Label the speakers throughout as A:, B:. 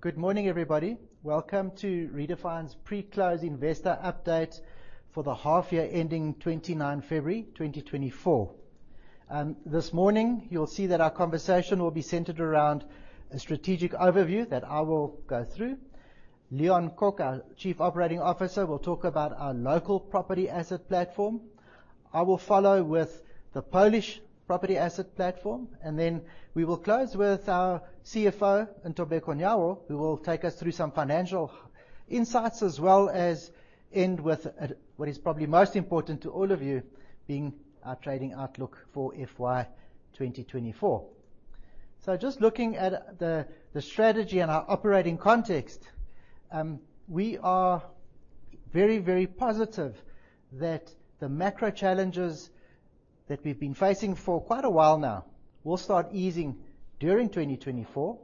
A: Good morning, everybody. Welcome to Redefine's pre-close investor update for the half-year ending 29 February 2024. This morning, you'll see that our conversation will be centered around a strategic overview that I will go through. Leon Kok, our Chief Operating Officer, will talk about our local property asset platform. I will follow with the Polish property asset platform, and then we will close with our CFO, Ntobeko Nyawo, who will take us through some financial insights as well as end with what is probably most important to all of you, being our trading outlook for FY24. Just looking at the strategy and our operating context, we are very, very positive that the macro challenges that we've been facing for quite a while now will start easing during 2024.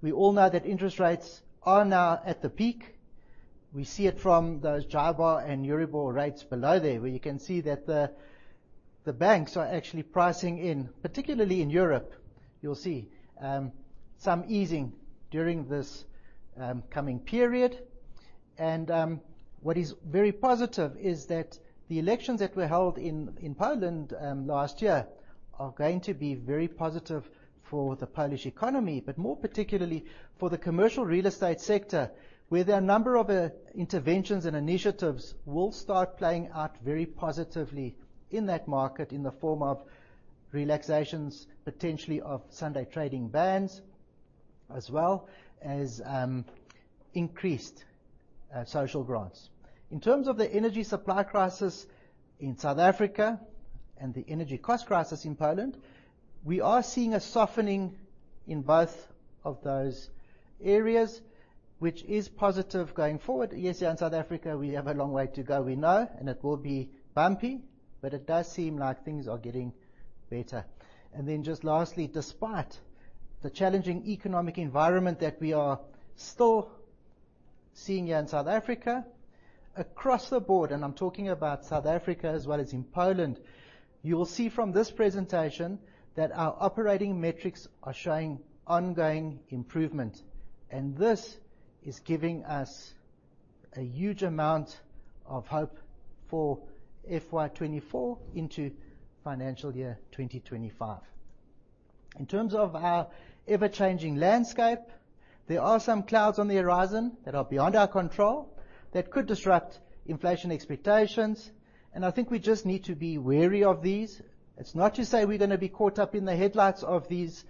A: We all know that interest rates are now at the peak. We see it from those JIBAR and EURIBOR rates below there, where you can see that the banks are actually pricing in, particularly in Europe, you'll see some easing during this coming period. What is very positive is that the elections that were held in Poland last year are going to be very positive for the Polish economy, but more particularly for the commercial real estate sector, where there are a number of interventions and initiatives will start playing out very positively in that market in the form of relaxations, potentially of Sunday trading bans, as well as increased social grants. In terms of the energy supply crisis in South Africa and the energy cost crisis in Poland, we are seeing a softening in both of those areas, which is positive going forward. Yes, here in South Africa, we have a long way to go, we know, and it will be bumpy, but it does seem like things are getting better. Then just lastly, despite the challenging economic environment that we are still seeing here in South Africa, across the board, and I'm talking about South Africa as well as in Poland, you will see from this presentation that our operating metrics are showing ongoing improvement, and this is giving us a huge amount of hope for FY24 into financial year 2025. In terms of our ever-changing landscape, there are some clouds on the horizon that are beyond our control that could disrupt inflation expectations, and I think we just need to be wary of these. It's not to say we're gonna be caught up in the headlights of these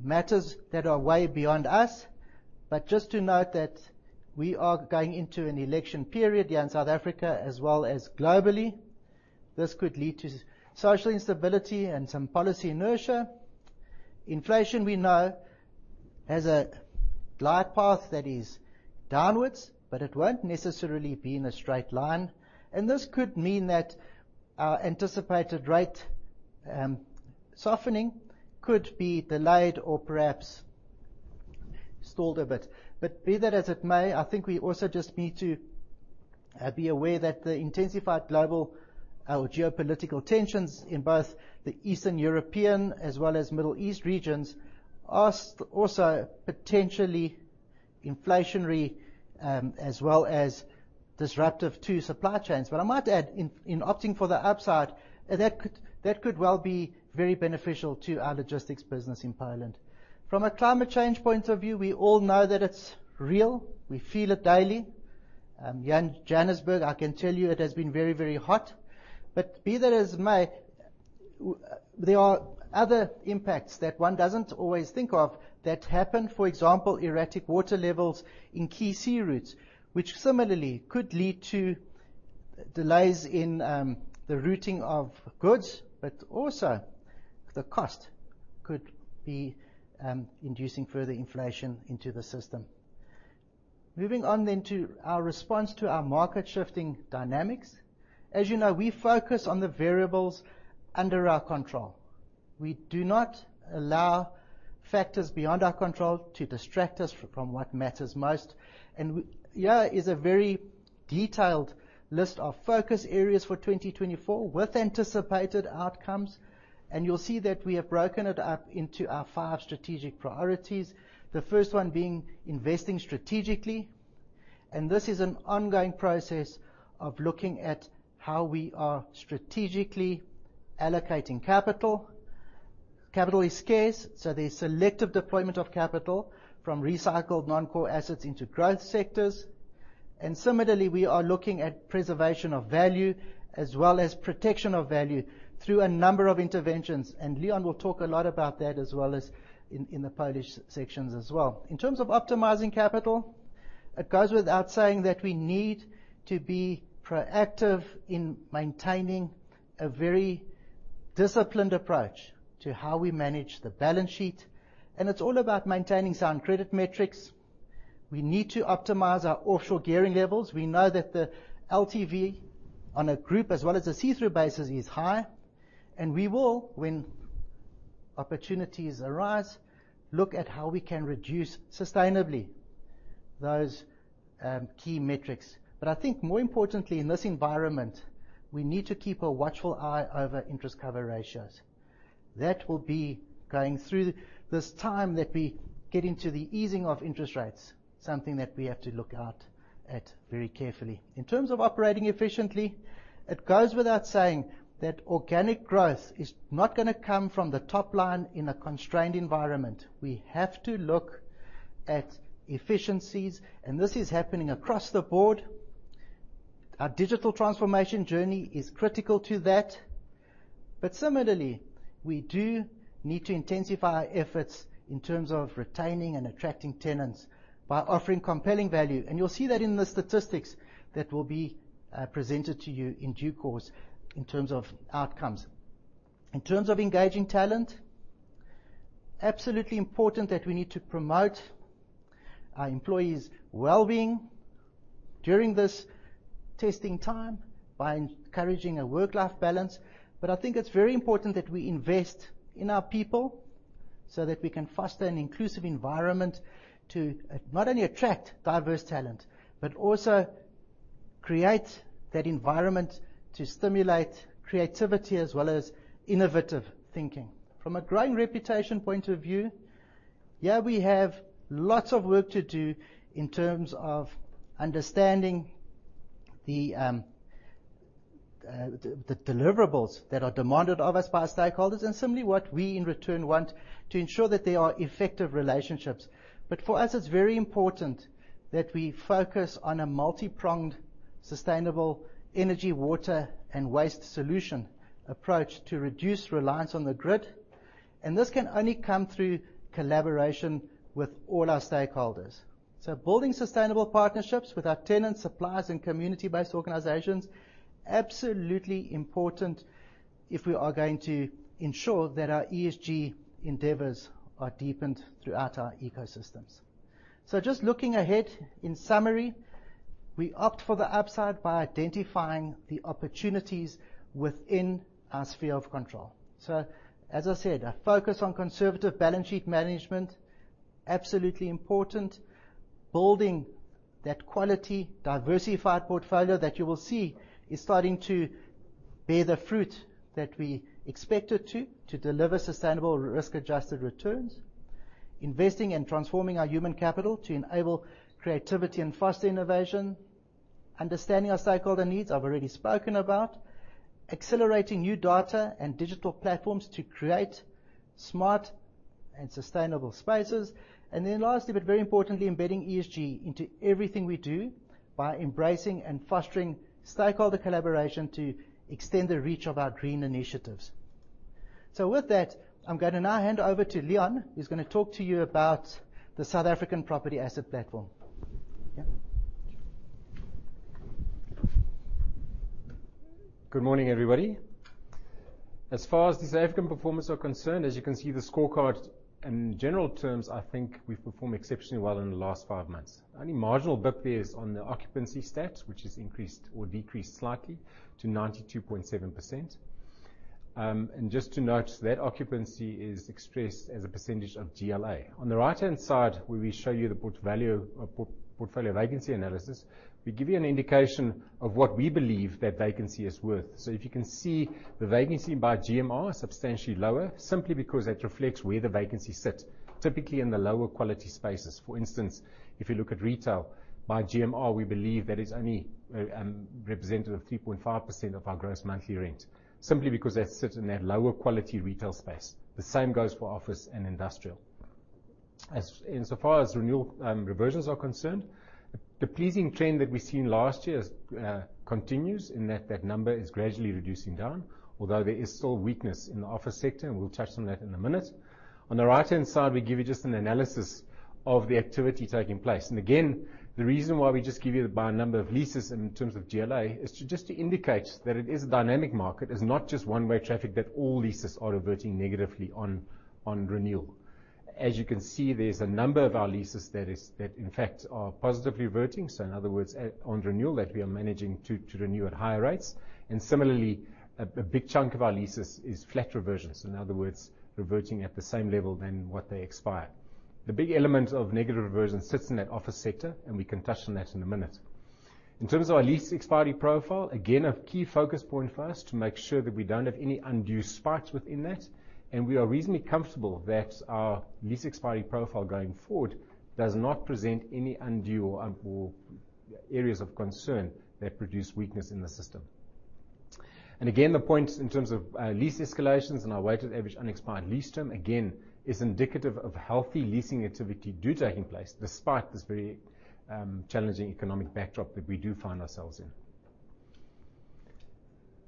A: matters that are way beyond us, but just to note that we are going into an election period here in South Africa as well as globally. This could lead to social instability and some policy inertia. Inflation, we know, has a glide path that is downwards, but it won't necessarily be in a straight line, and this could mean that our anticipated rate softening could be delayed or perhaps stalled a bit. But be that as it may, I think we also just need to be aware that the intensified global geopolitical tensions in both the Eastern European as well as Middle East regions are also potentially inflationary as well as disruptive to supply chains. I might add, in opting for the upside, that could well be very beneficial to our logistics business in Poland. From a climate change point of view, we all know that it's real. We feel it daily. Here in Johannesburg, I can tell you it has been very hot. Be that as it may, there are other impacts that one doesn't always think of that happen. For example, erratic water levels in key sea routes, which similarly could lead to delays in the routing of goods, but also the cost could be inducing further inflation into the system. Moving on to our response to our market shifting dynamics. As you know, we focus on the variables under our control. We do not allow factors beyond our control to distract us from what matters most. Here is a very detailed list of focus areas for 2024 with anticipated outcomes, and you'll see that we have broken it up into our five strategic priorities. The first one being investing strategically, and this is an ongoing process of looking at how we are strategically allocating capital. Capital is scarce, so there's selective deployment of capital from recycled non-core assets into growth sectors. Similarly, we are looking at preservation of value as well as protection of value through a number of interventions, and Leon will talk a lot about that as well as in the Polish sections as well. In terms of optimizing capital, it goes without saying that we need to be proactive in maintaining a very disciplined approach to how we manage the balance sheet, and it's all about maintaining sound credit metrics. We need to optimize our offshore gearing levels. We know that the LTV on a group as well as a see-through basis is high, and we will, when opportunities arise, look at how we can reduce sustainably those key metrics. I think more importantly, in this environment, we need to keep a watchful eye over interest cover ratios. That will be going through this time that we get into the easing of interest rates, something that we have to look out at very carefully. In terms of operating efficiently, it goes without saying that organic growth is not gonna come from the top line in a constrained environment. We have to look at efficiencies, and this is happening across the board. Our digital transformation journey is critical to that. Similarly, we do need to intensify efforts in terms of retaining and attracting tenants by offering compelling value, and you'll see that in the statistics that will be presented to you in due course in terms of outcomes. In terms of engaging talent, absolutely important that we need to promote our employees' well-being during this testing time by encouraging a work-life balance. I think it's very important that we invest in our people so that we can foster an inclusive environment to not only attract diverse talent, but also create that environment to stimulate creativity as well as innovative thinking. From a growing reputation point of view, here we have lots of work to do in terms of understanding the deliverables that are demanded of us by our stakeholders, and similarly, what we in return want to ensure that there are effective relationships. For us, it's very important that we focus on a multipronged, sustainable energy, water, and waste solution approach to reduce reliance on the grid, and this can only come through collaboration with all our stakeholders. Building sustainable partnerships with our tenants, suppliers, and community-based organizations, absolutely important if we are going to ensure that our ESG endeavors are deepened throughout our ecosystems. Just looking ahead, in summary, we opt for the upside by identifying the opportunities within our sphere of control. As I said, our focus on conservative balance sheet management, absolutely important. Building that quality, diversified portfolio that you will see is starting to bear the fruit that we expect it to deliver sustainable risk-adjusted returns. Investing and transforming our human capital to enable creativity and foster innovation. Understanding our stakeholder needs, I've already spoken about. Accelerating new data and digital platforms to create smart and sustainable spaces. Then lastly, but very importantly, embedding ESG into everything we do by embracing and fostering stakeholder collaboration to extend the reach of our green initiatives. With that, I'm gonna now hand over to Leon Kok, who's gonna talk to you about the South African property asset platform. Yeah.
B: Good morning, everybody. As far as the South African performance are concerned, as you can see, the scorecard in general terms, I think we've performed exceptionally well in the last five months. Only marginal blip there is on the occupancy stats, which has increased or decreased slightly to 92.7%. And just to note, that occupancy is expressed as a percentage of GLA. On the right-hand side, where we show you the portfolio vacancy analysis, we give you an indication of what we believe that vacancy is worth. If you can see, the vacancy by GMR is substantially lower, simply because that reflects where the vacancy sits, typically in the lower quality spaces. For instance, if you look at retail, by GMR, we believe that is only representative of 3.5% of our gross monthly rent, simply because that sits in that lower quality retail space. The same goes for office and industrial. As far as renewal reversions are concerned, the pleasing trend that we've seen last year continues in that number is gradually reducing down, although there is still weakness in the office sector, and we'll touch on that in a minute. On the right-hand side, we give you just an analysis of the activity taking place. Again, the reason why we just give you the breakdown by number of leases in terms of GLA is to indicate that it is a dynamic market. It's not just one-way traffic that all leases are reverting negatively on renewal. As you can see, there's a number of our leases that in fact are positively reverting. In other words, on renewal that we are managing to renew at higher rates. Similarly, a big chunk of our leases is flat reversion. In other words, reverting at the same level than what they expire. The big element of negative reversion sits in that office sector, and we can touch on that in a minute. In terms of our lease expiry profile, again, a key focus point for us to make sure that we don't have any undue spikes within that. We are reasonably comfortable that our lease expiry profile going forward does not present any undue or areas of concern that produce weakness in the system. The point in terms of lease escalations and our weighted average unexpired lease term, again, is indicative of healthy leasing activity taking place despite this very challenging economic backdrop that we do find ourselves in.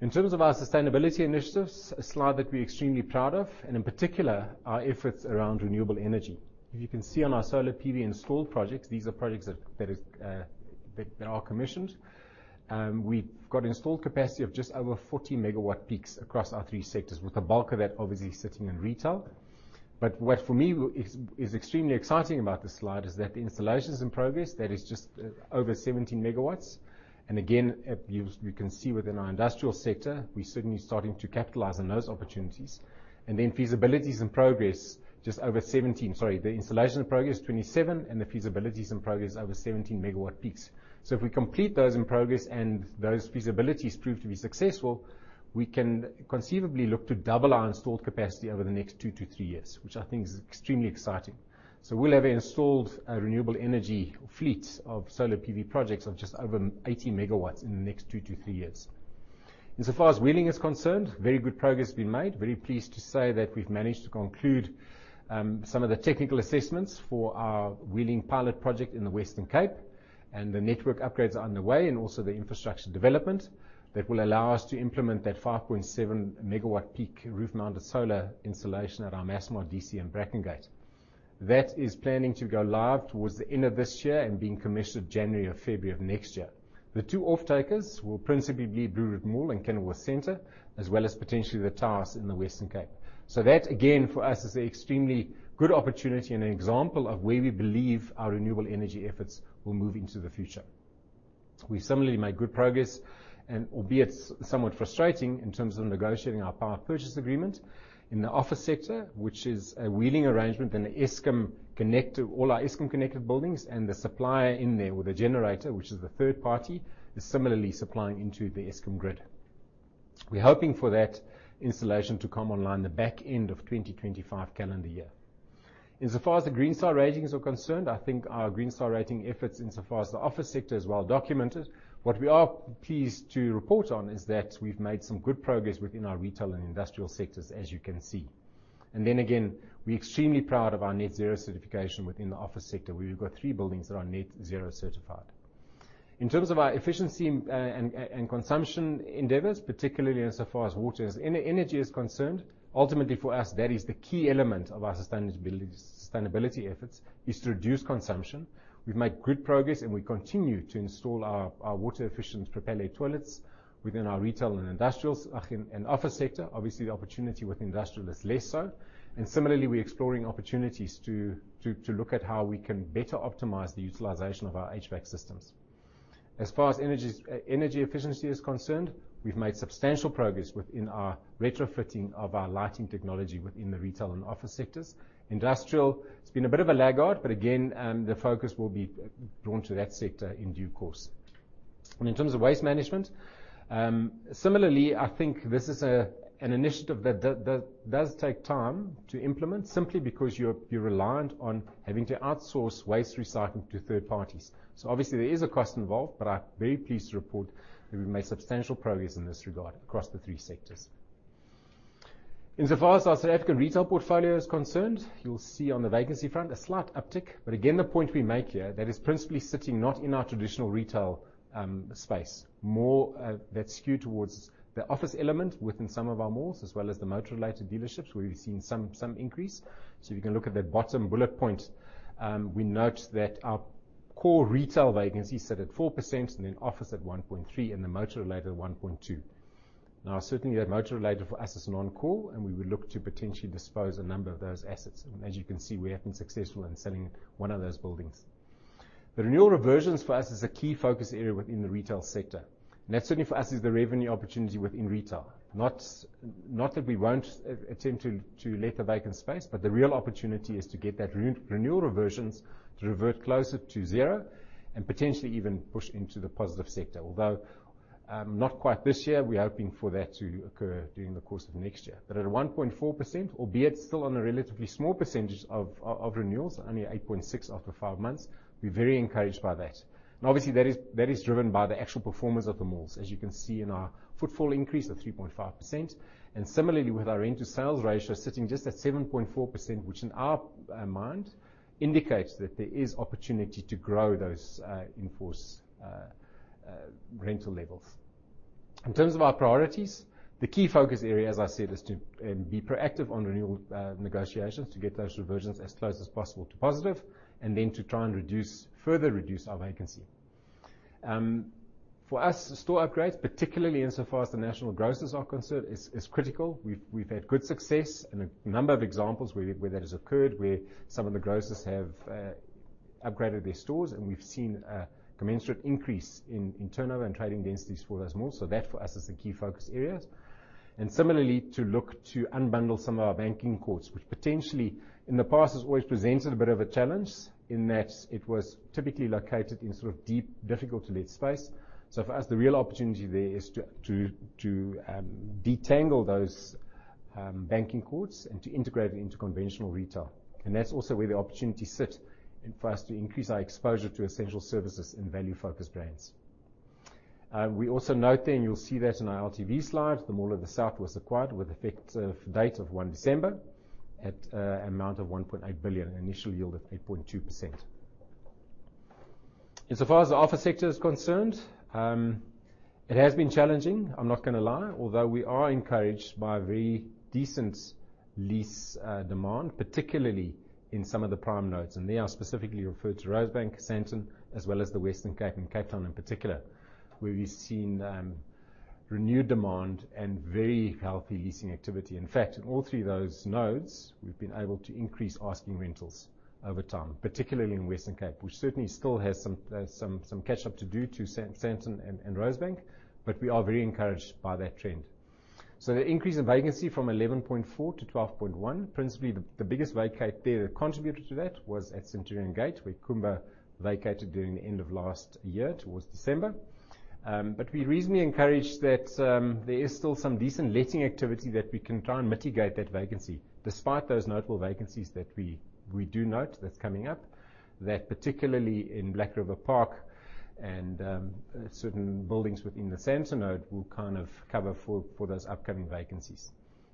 B: In terms of our sustainability initiatives, a slide that we're extremely proud of, and in particular, our efforts around renewable energy. If you can see on our Solar PV installed projects, these are projects that are commissioned. We've got installed capacity of just over 40 MWp across our three sectors, with the bulk of that obviously sitting in retail. But what for me is extremely exciting about this slide is that the installations in progress, that is just over 17 MW. You can see within our industrial sector, we're certainly starting to capitalize on those opportunities. The installation in progress 27, and the feasibilities in progress over 17 MWp. If we complete those in progress, and those feasibilities prove to be successful, we can conceivably look to double our installed capacity over the next two to three years, which I think is extremely exciting. We'll have installed a renewable energy fleet of Solar PV projects of just over 80 MW in the next two to three years. Insofar as wheeling is concerned, very good progress being made. Very pleased to say that we've managed to conclude some of the technical assessments for our wheeling pilot project in the Western Cape, and the network upgrades are underway, and also the infrastructure development that will allow us to implement that 5.7 MWp roof-mounted solar installation at our Massmart DC in Brackengate. That is planning to go live towards the end of this year and being commissioned January or February of next year. The two off-takers will principally be Blue Route Mall and Kenilworth Centre, as well as potentially the towers in the Western Cape. That, again, for us, is an extremely good opportunity and an example of where we believe our renewable energy efforts will move into the future. We similarly made good progress and, albeit somewhat frustrating in terms of negotiating our power purchase agreement in the office sector, which is a wheeling arrangement in the Eskom connected all our Eskom connected buildings and the supplier in there with a generator, which is the third party, is similarly supplying into the Eskom grid. We're hoping for that installation to come online in the back end of 2025 calendar year. Insofar as the Green Star rating is concerned, I think our Green Star rating efforts insofar as the office sector is well documented. What we are pleased to report on is that we've made some good progress within our retail and industrial sectors, as you can see. Then again, we're extremely proud of our net zero certification within the office sector, where we've got three buildings that are net zero certified. In terms of our efficiency and consumption endeavors, particularly insofar as water and energy is concerned, ultimately for us, that is the key element of our sustainability efforts, is to reduce consumption. We've made good progress, and we continue to install our water-efficient dual-flush toilets within our retail and industrials and office sector. Obviously, the opportunity with industrial is less so. Similarly, we're exploring opportunities to look at how we can better optimize the utilization of our HVAC systems. As far as energies, energy efficiency is concerned, we've made substantial progress within our retrofitting of our lighting technology within the retail and office sectors. Industrial, it's been a bit of a laggard, but again, the focus will be brought to that sector in due course. In terms of waste management, similarly, I think this is an initiative that does take time to implement simply because you're reliant on having to outsource waste recycling to third parties. So obviously there is a cost involved, but I'm very pleased to report that we've made substantial progress in this regard across the three sectors. Insofar as our South African retail portfolio is concerned, you'll see on the vacancy front a slight uptick. Again, the point we make here, that is principally sitting not in our traditional retail space. More, that skew towards the office element within some of our malls, as well as the motor-related dealerships where we've seen some increase. If you can look at that bottom bullet point, we note that our core retail vacancy sat at 4% and then office at 1.3% and the motor-related 1.2%. Now certainly that motor-related for us is a non-core, and we would look to potentially dispose a number of those assets. As you can see, we have been successful in selling one of those buildings. The renewal reversions for us is a key focus area within the retail sector. That certainly for us is the revenue opportunity within retail. Not that we won't attempt to let the vacant space, but the real opportunity is to get that renewal reversions to revert closer to zero and potentially even push into the positive sector. Although not quite this year, we're hoping for that to occur during the course of next year. At 1.4%, albeit still on a relatively small percentage of renewals, only 8.6% after five months, we're very encouraged by that. Obviously that is driven by the actual performance of the malls, as you can see in our footfall increase of 3.5%. Similarly with our rent to sales ratio sitting just at 7.4%, which in our mind indicates that there is opportunity to grow those in force rental levels. In terms of our priorities, the key focus area, as I said, is to be proactive on renewal negotiations to get those reversions as close as possible to positive and then to try and further reduce our vacancy. For us, store upgrades, particularly insofar as the national grocers are concerned, is critical. We've had good success and a number of examples where that has occurred, where some of the grocers have upgraded their stores and we've seen a commensurate increase in turnover and trading densities for those malls. That for us is the key focus areas. Similarly, to look to unbundle some of our banking courts, which potentially in the past has always presented a bit of a challenge in that it was typically located in sort of deep, difficult to let space. For us, the real opportunity there is to detangle those banking courts and to integrate into conventional retail. That's also where the opportunity sits and for us to increase our exposure to essential services and value focused brands. We also note, you'll see that in our LTV slides, the Mall of the South was acquired with effective date of 1 December at amount of 1.8 billion, an initial yield of 8.2%. Insofar as the office sector is concerned, it has been challenging, I'm not gonna lie, although we are encouraged by very decent lease demand, particularly in some of the prime nodes. There I specifically refer to Rosebank, Sandton, as well as the Western Cape and Cape Town in particular, where we've seen renewed demand and very healthy leasing activity. In fact, in all three of those nodes, we've been able to increase asking rentals over time, particularly in Western Cape, which certainly still has some catch up to do to Sandton and Rosebank, but we are very encouraged by that trend. The increase in vacancy from 11.4%-12.1%, principally the biggest vacancy there that contributed to that was at Centurion Gate, where Kumba vacated during the end of last year towards December. We are encouraged that there is still some decent letting activity that we can try and mitigate that vacancy despite those notable vacancies that we do note that that's coming up, particularly in Black River Park and certain buildings within the Sandton node will kind of cover for those upcoming vacancies.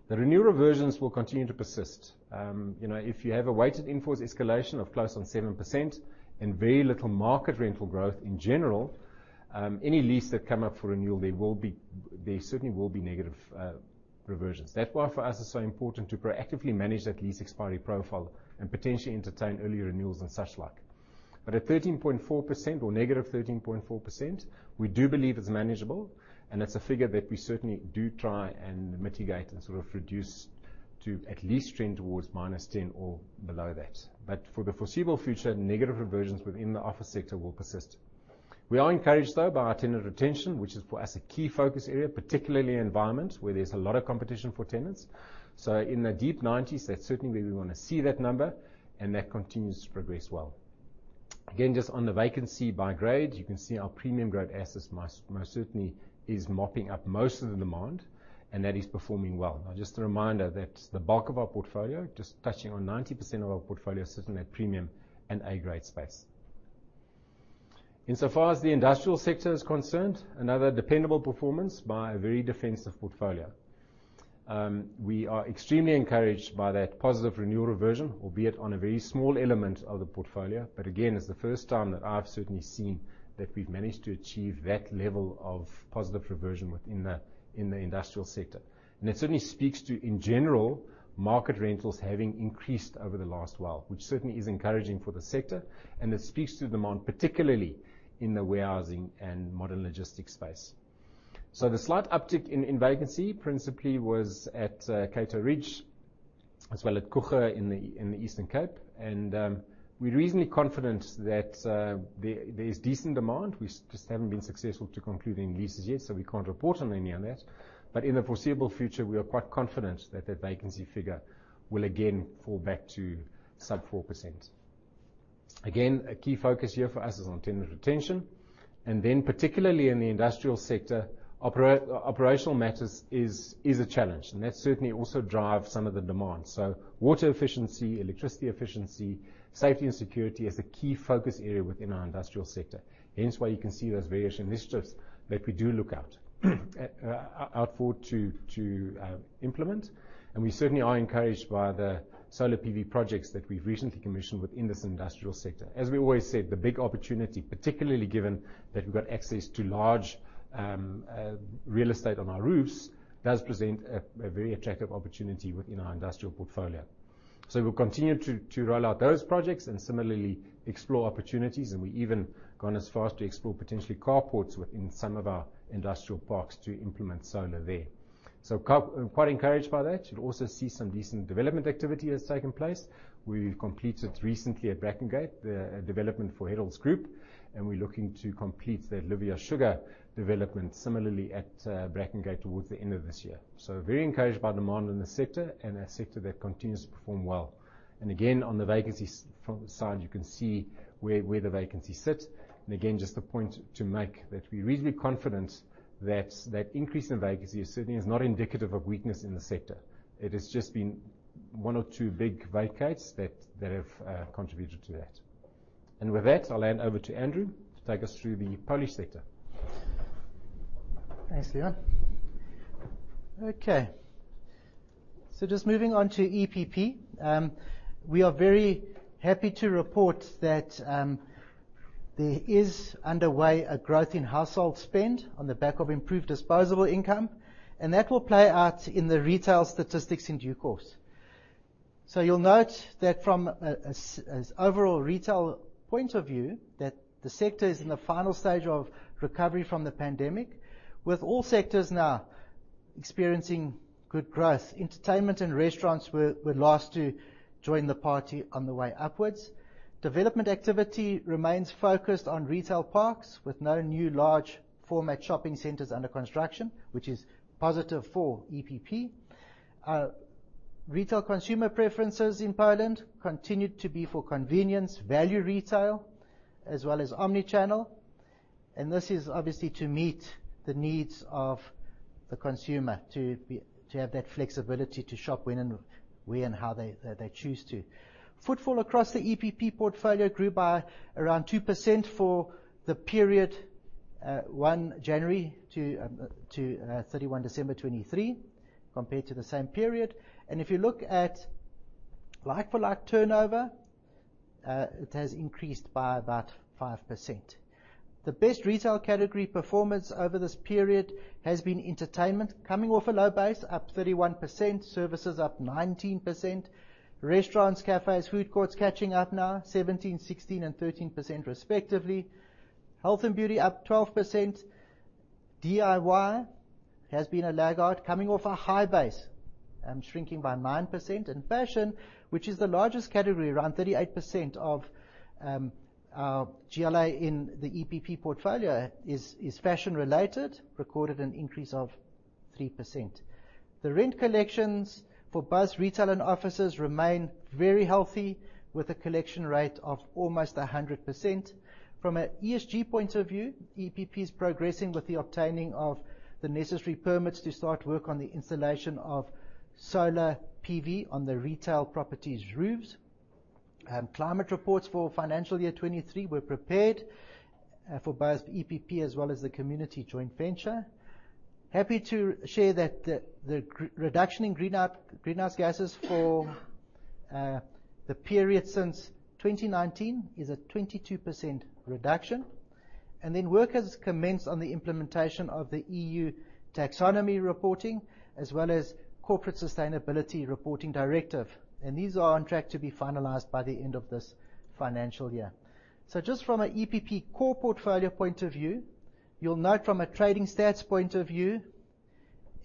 B: The renewal reversions will continue to persist. You know, if you have a weighted in-force escalation of close on 7% and very little market rental growth in general, any lease that come up for renewal, there will be negative reversions. That's why for us it's so important to proactively manage that lease expiry profile and potentially entertain early renewals and such like. At 13.4% or -13.4%, we do believe it's manageable, and it's a figure that we certainly do try and mitigate and sort of reduce to at least trend towards -10% or below that. For the foreseeable future, negative reversions within the office sector will persist. We are encouraged, though, by our tenant retention, which is, for us, a key focus area, particularly in environment where there's a lot of competition for tenants. In the deep 90s, that's certainly where we wanna see that number, and that continues to progress well. Again, just on the vacancy by grade, you can see our Premium grade assets most certainly is mopping up most of the demand, and that is performing well. Now, just a reminder that the bulk of our portfolio, just touching on 90% of our portfolio, sitting at Premium and A grade space. Insofar as the industrial sector is concerned, another dependable performance by a very defensive portfolio. We are extremely encouraged by that positive renewal reversion, albeit on a very small element of the portfolio. Again, it's the first time that I've certainly seen that we've managed to achieve that level of positive reversion within the industrial sector. It certainly speaks to, in general, market rentals having increased over the last while, which certainly is encouraging for the sector. It speaks to demand, particularly in the warehousing and modern logistics space. The slight uptick in vacancy principally was at Cato Ridge as well at Coega in the Eastern Cape. We're reasonably confident that there is decent demand. We just haven't been successful to concluding leases yet, so we can't report on any of that. In the foreseeable future, we are quite confident that the vacancy figure will again fall back to sub 4%. Again, a key focus here for us is on tenant retention, and then particularly in the industrial sector, operational matters is a challenge, and that certainly also drives some of the demand. Water efficiency, electricity efficiency, safety and security is a key focus area within our industrial sector. Hence why you can see those various initiatives that we do look out for to implement. We certainly are encouraged by the Solar PV projects that we've recently commissioned within this industrial sector. As we always said, the big opportunity, particularly given that we've got access to large real estate on our roofs, does present a very attractive opportunity within our industrial portfolio. We'll continue to roll out those projects and similarly explore opportunities. We even gone as far as to explore potentially carports within some of our industrial parks to implement solar there. Quite encouraged by that. You should also see some decent development activity that's taken place. We've completed recently at Brackengate the development for Eddels Group, and we're looking to complete the Illovo Sugar development similarly at Brackengate towards the end of this year. Very encouraged by demand in this sector and a sector that continues to perform well. Again, on the vacancy side, you can see where the vacancy sits. Again, just a point to make that we're reasonably confident that increase in vacancy is certainly not indicative of weakness in the sector. It has just been one or two big vacates that have contributed to that. With that, I'll hand over to Andrew to take us through the Polish sector.
A: Thanks, Leon. Okay. Just moving on to EPP. We are very happy to report that there is underway a growth in household spend on the back of improved disposable income, and that will play out in the retail statistics in due course. You'll note that from a overall retail point of view, that the sector is in the final stage of recovery from the pandemic, with all sectors now experiencing good growth. Entertainment and restaurants were last to join the party on the way upwards. Development activity remains focused on retail parks with no new large format shopping centers under construction, which is positive for EPP. Retail consumer preferences in Poland continued to be for convenience, value retail, as well as omnichannel. This is obviously to meet the needs of the consumer to have that flexibility to shop when and where and how they choose to. Footfall across the EPP portfolio grew by around 2% for the period, 1 January to 31 December 2023 compared to the same period. If you look at like-for-like turnover, it has increased by about 5%. The best retail category performance over this period has been entertainment coming off a low base up 31%, services up 19%, restaurants, cafes, food courts catching up now 17%, 16%, and 13% respectively. Health and beauty up 12%. DIY has been a laggard coming off a high base, shrinking by 9% in fashion, which is the largest category. Around 38% of our GLA in the EPP portfolio is fashion related, recorded an increase of 3%. The rent collections for both retail and offices remain very healthy, with a collection rate of almost 100%. From an ESG point of view, EPP is progressing with the obtaining of the necessary permits to start work on the installation of Solar PV on the retail properties roofs. Climate reports for FY23 were prepared for both EPP as well as the Cromwell joint venture. Happy to share that the reduction in greenhouse gases for the period since 2019 is a 22% reduction. Work has commenced on the implementation of the EU Taxonomy reporting, as well as Corporate Sustainability Reporting Directive. These are on track to be finalized by the end of this financial year. Just from an EPP core portfolio point of view, you'll note from a trading stats point of view,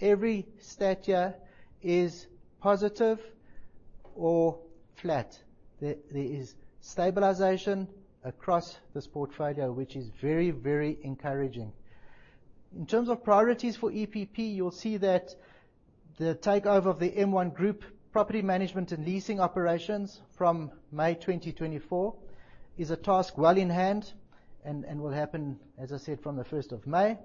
A: every stat here is positive or flat. There is stabilization across this portfolio, which is very encouraging. In terms of priorities for EPP, you'll see that the takeover of the M1 Group property management and leasing operations from May 2024 is a task well in hand and will happen, as I said, from the 1st of May.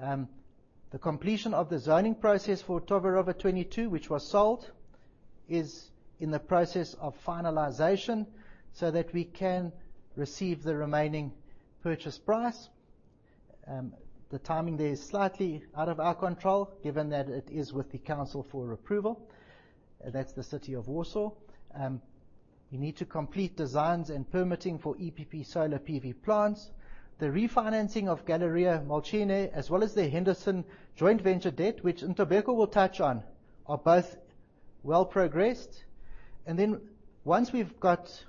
A: The completion of the zoning process for Towarowa 22, which was sold, is in the process of finalization so that we can receive the remaining purchase price. The timing there is slightly out of our control given that it is with the council for approval. That's the City of Warsaw. We need to complete designs and permitting for EPP Solar PV plants. The refinancing of Galeria Młociny, as well as the Henderson joint venture debt, which Ntobeko will touch on, are both well progressed. Then once we've got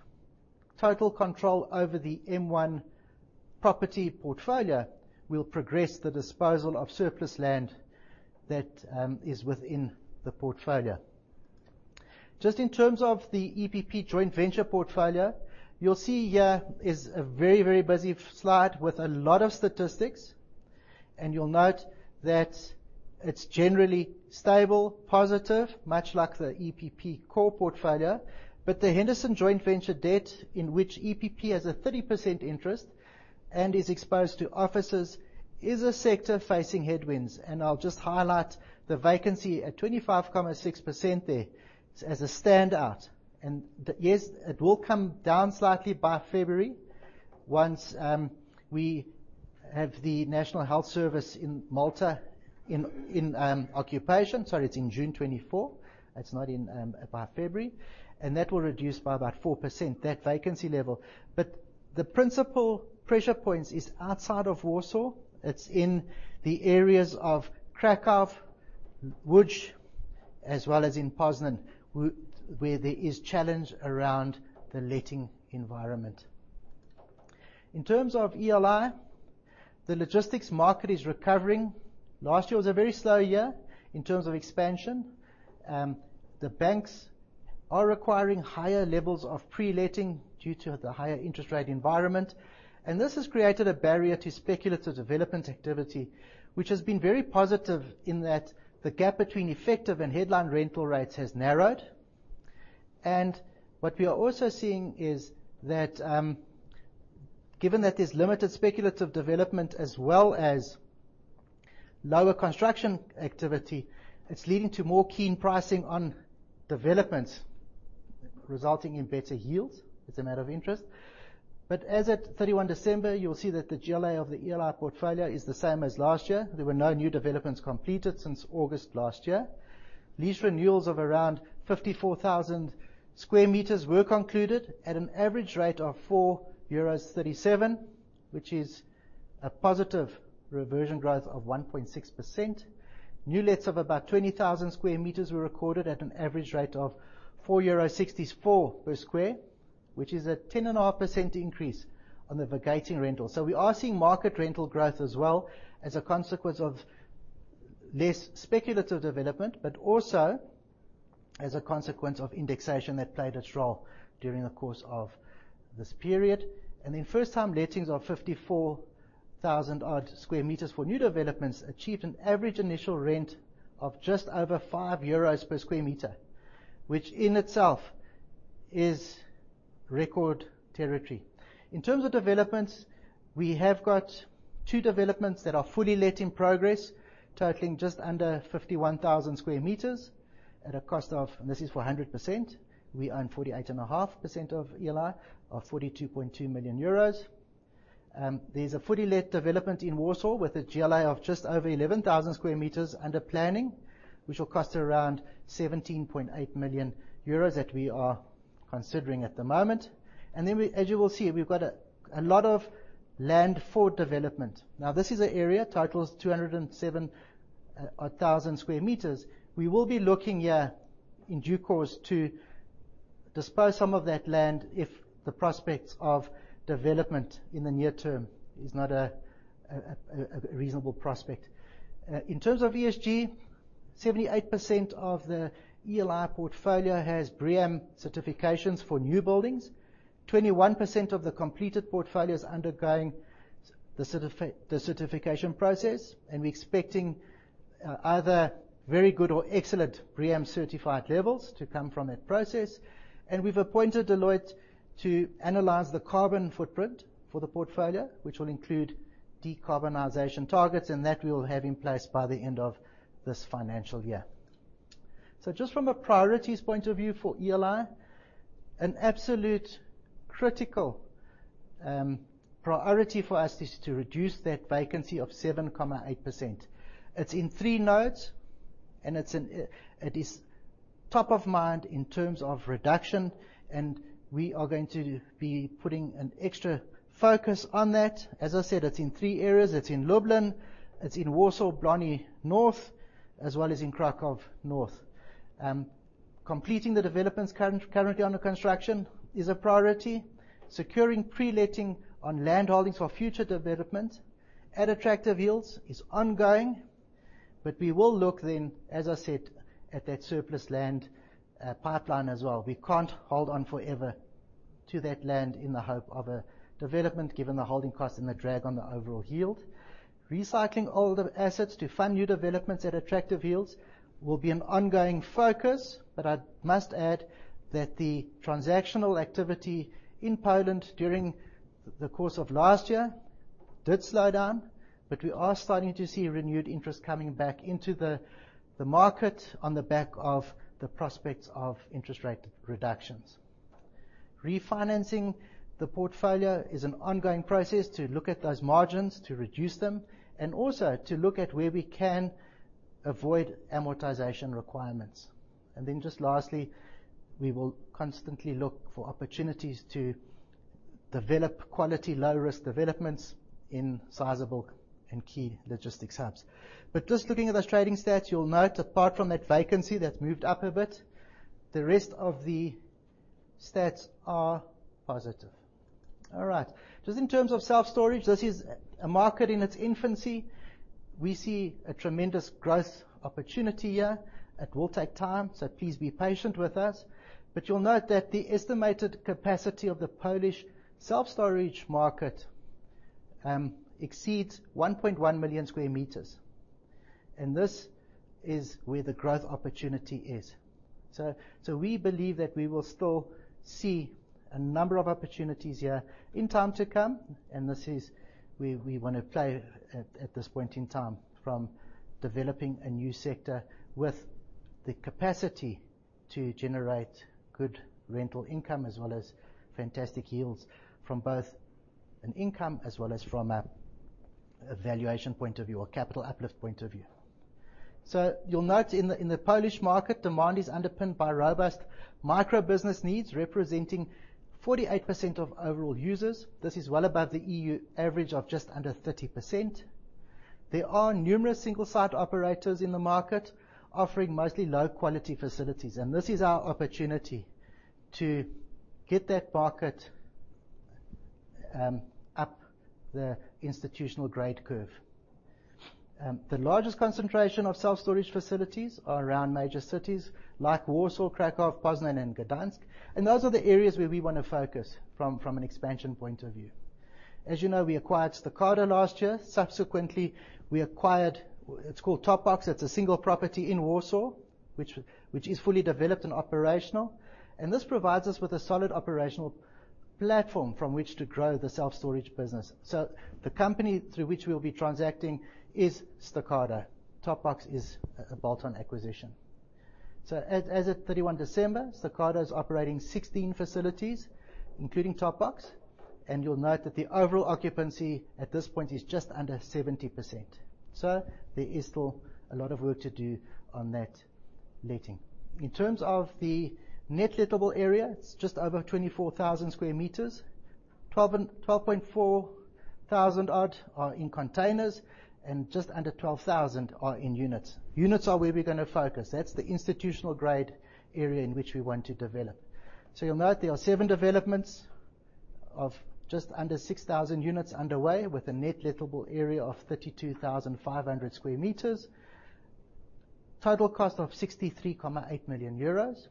A: total control over the M1 property portfolio, we'll progress the disposal of surplus land that is within the portfolio. Just in terms of the EPP joint venture portfolio, you'll see here is a very, very busy slide with a lot of statistics, and you'll note that it's generally stable, positive, much like the EPP core portfolio. The Henderson joint venture debt, in which EPP has a 30% interest and is exposed to offices, is a sector facing headwinds. I'll just highlight the vacancy at 25.6% there as a standout. Yes, it will come down slightly by February once we have the National Health Service in Malta in occupation. Sorry, it's in June 2024. It's not in by February. That will reduce by about 4%, that vacancy level. The principal pressure points is outside of Warsaw. It's in the areas of Kraków, Łódź, as well as in Poznań, where there is challenge around the letting environment. In terms of ELI, the logistics market is recovering. Last year was a very slow year in terms of expansion. The banks are requiring higher levels of pre-letting due to the higher interest rate environment, and this has created a barrier to speculative development activity, which has been very positive in that the gap between effective and headline rental rates has narrowed. What we are also seeing is that, given that there's limited speculative development as well as lower construction activity, it's leading to more keen pricing on developments, resulting in better yields. It's a matter of interest. As at 31 December, you'll see that the GLA of the ELI portfolio is the same as last year. There were no new developments completed since August last year. Lease renewals of around 54,000 sq m were concluded at an average rate of 4.37 euros, which is a positive reversion growth of 1.6%. New lets of about 20,000 sq m were recorded at an average rate of 4.64 euro per square, which is a 10.5% increase on the vacating rental. We are seeing market rental growth as well as a consequence of less speculative development, but also as a consequence of indexation that played its role during the course of this period. First time lettings of 54,000-odd sq m for new developments achieved an average initial rent of just over 5 euros per sq m, which in itself is record territory. In terms of developments, we have got two developments that are fully let in progress, totaling just under 51,000 sq m at a cost of, and this is for a hundred percent, we own 48.5% of ELI, of 42.2 million euros. There's a fully let development in Warsaw with a GLA of just over 11,000 sq m under planning, which will cost around 17.8 million euros that we are considering at the moment. We, as you will see, we've got a lot of land for development. Now this is an area totals 207,000 sq m. We will be looking here in due course to dispose some of that land if the prospects of development in the near term is not a reasonable prospect. In terms of ESG, 78% of the ELI portfolio has BREEAM certifications for new buildings. 21% of the completed portfolio is undergoing the certification process, and we're expecting either very good or excellent BREEAM-certified levels to come from that process. We've appointed Deloitte to analyze the carbon footprint for the portfolio, which will include decarbonization targets, and that we'll have in place by the end of this financial year. Just from a priorities point of view for ELI, an absolute critical priority for us is to reduce that vacancy of 7.8%. It's in three nodes, and it's an, It is top of mind in terms of reduction, and we are going to be putting an extra focus on that. As I said, it's in three areas. It's in Lublin, it's in Warsaw Błonie North, as well as in Kraków North. Completing the developments currently under construction is a priority. Securing pre-letting on land holdings for future development at attractive yields is ongoing, but we will look then, as I said, at that surplus land pipeline as well. We can't hold on forever to that land in the hope of a development, given the holding cost and the drag on the overall yield. Recycling older assets to fund new developments at attractive yields will be an ongoing focus, but I must add that the transactional activity in Poland during the course of last year did slow down. We are starting to see renewed interest coming back into the market on the back of the prospects of interest rate reductions. Refinancing the portfolio is an ongoing process to look at those margins, to reduce them, and also to look at where we can avoid amortization requirements. Just lastly, we will constantly look for opportunities to develop quality, low-risk developments in sizable and key logistics hubs. Just looking at those trading stats, you'll note apart from that vacancy that moved up a bit, the rest of the stats are positive. All right. Just in terms of self-storage, this is a market in its infancy. We see a tremendous growth opportunity here. It will take time, so please be patient with us. You'll note that the estimated capacity of the Polish self-storage market exceeds 1.1 million sq m, and this is where the growth opportunity is. We believe that we will still see a number of opportunities here in time to come, and this is where we wanna play at this point in time, from developing a new sector with the capacity to generate good rental income, as well as fantastic yields from both an income as well as from a valuation point of view or capital uplift point of view. You'll note in the Polish market, demand is underpinned by robust micro-business needs, representing 48% of overall users. This is well above the EU average of just under 30%. There are numerous single-site operators in the market, offering mostly low-quality facilities, and this is our opportunity to get that market up the institutional grade curve. The largest concentration of self-storage facilities are around major cities like Warsaw, Kraków, Poznań, and Gdańsk, and those are the areas where we wanna focus from an expansion point of view. As you know, we acquired Stokado last year. Subsequently, we acquired, it's called Top Box. It's a single property in Warsaw, which is fully developed and operational. This provides us with a solid operational platform from which to grow the self-storage business. The company through which we'll be transacting is Stokado. Top Box is a bolt-on acquisition. As of 31 December, Stokado is operating 16 facilities, including Top Box. You'll note that the overall occupancy at this point is just under 70%. There is still a lot of work to do on that letting. In terms of the net lettable area, it's just over 24,000 sq m. 12.4 thousand odd are in containers, and just under 12,000 are in units. Units are where we're gonna focus. That's the institutional grade area in which we want to develop. You'll note there are seven developments of just under 6,000 units underway with a net lettable area of 32,500 sq m. Total cost of 63.8 million euros.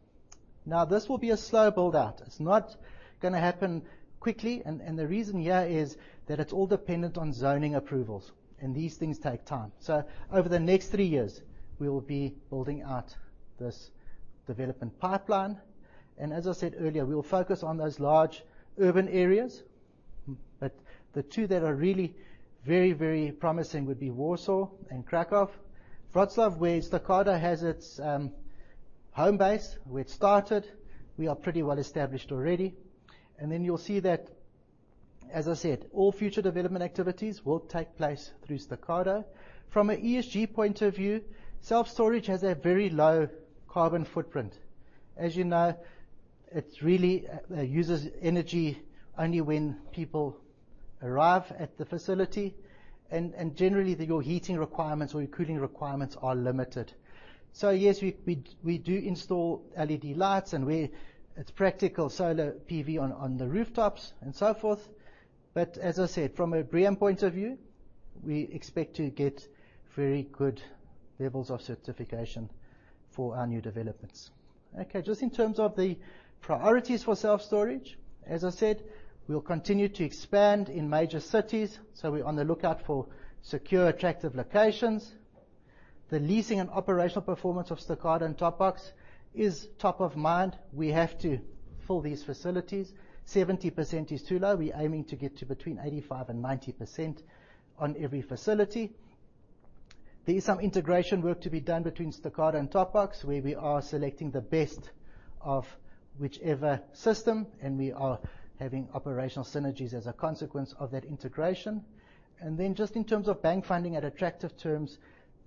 A: Now, this will be a slow build-out. It's not gonna happen quickly, and the reason here is that it's all dependent on zoning approvals, and these things take time. Over the next three years, we will be building out this development pipeline. As I said earlier, we will focus on those large urban areas. The two that are really very, very promising would be Warsaw and Kraków. Wrocław, where Stokado has its home base, where it started, we are pretty well established already. Then you'll see that, as I said, all future development activities will take place through Stokado. From an ESG point of view, self-storage has a very low carbon footprint. As you know, it really uses energy only when people arrive at the facility, and generally, your heating requirements or your cooling requirements are limited. Yes, we do install LED lights, and it's practical Solar PV on the rooftops and so forth. As I said, from a BREEAM point of view, we expect to get very good levels of certification for our new developments. Okay, just in terms of the priorities for self-storage. As I said, we'll continue to expand in major cities, so we're on the lookout for secure, attractive locations. The leasing and operational performance of Stokado and Top Box is top of mind. We have to fill these facilities. 70% is too low. We're aiming to get to between 85% and 90% on every facility. There is some integration work to be done between Stokado and Top Box, where we are selecting the best of whichever system, and we are having operational synergies as a consequence of that integration. Just in terms of bank funding at attractive terms,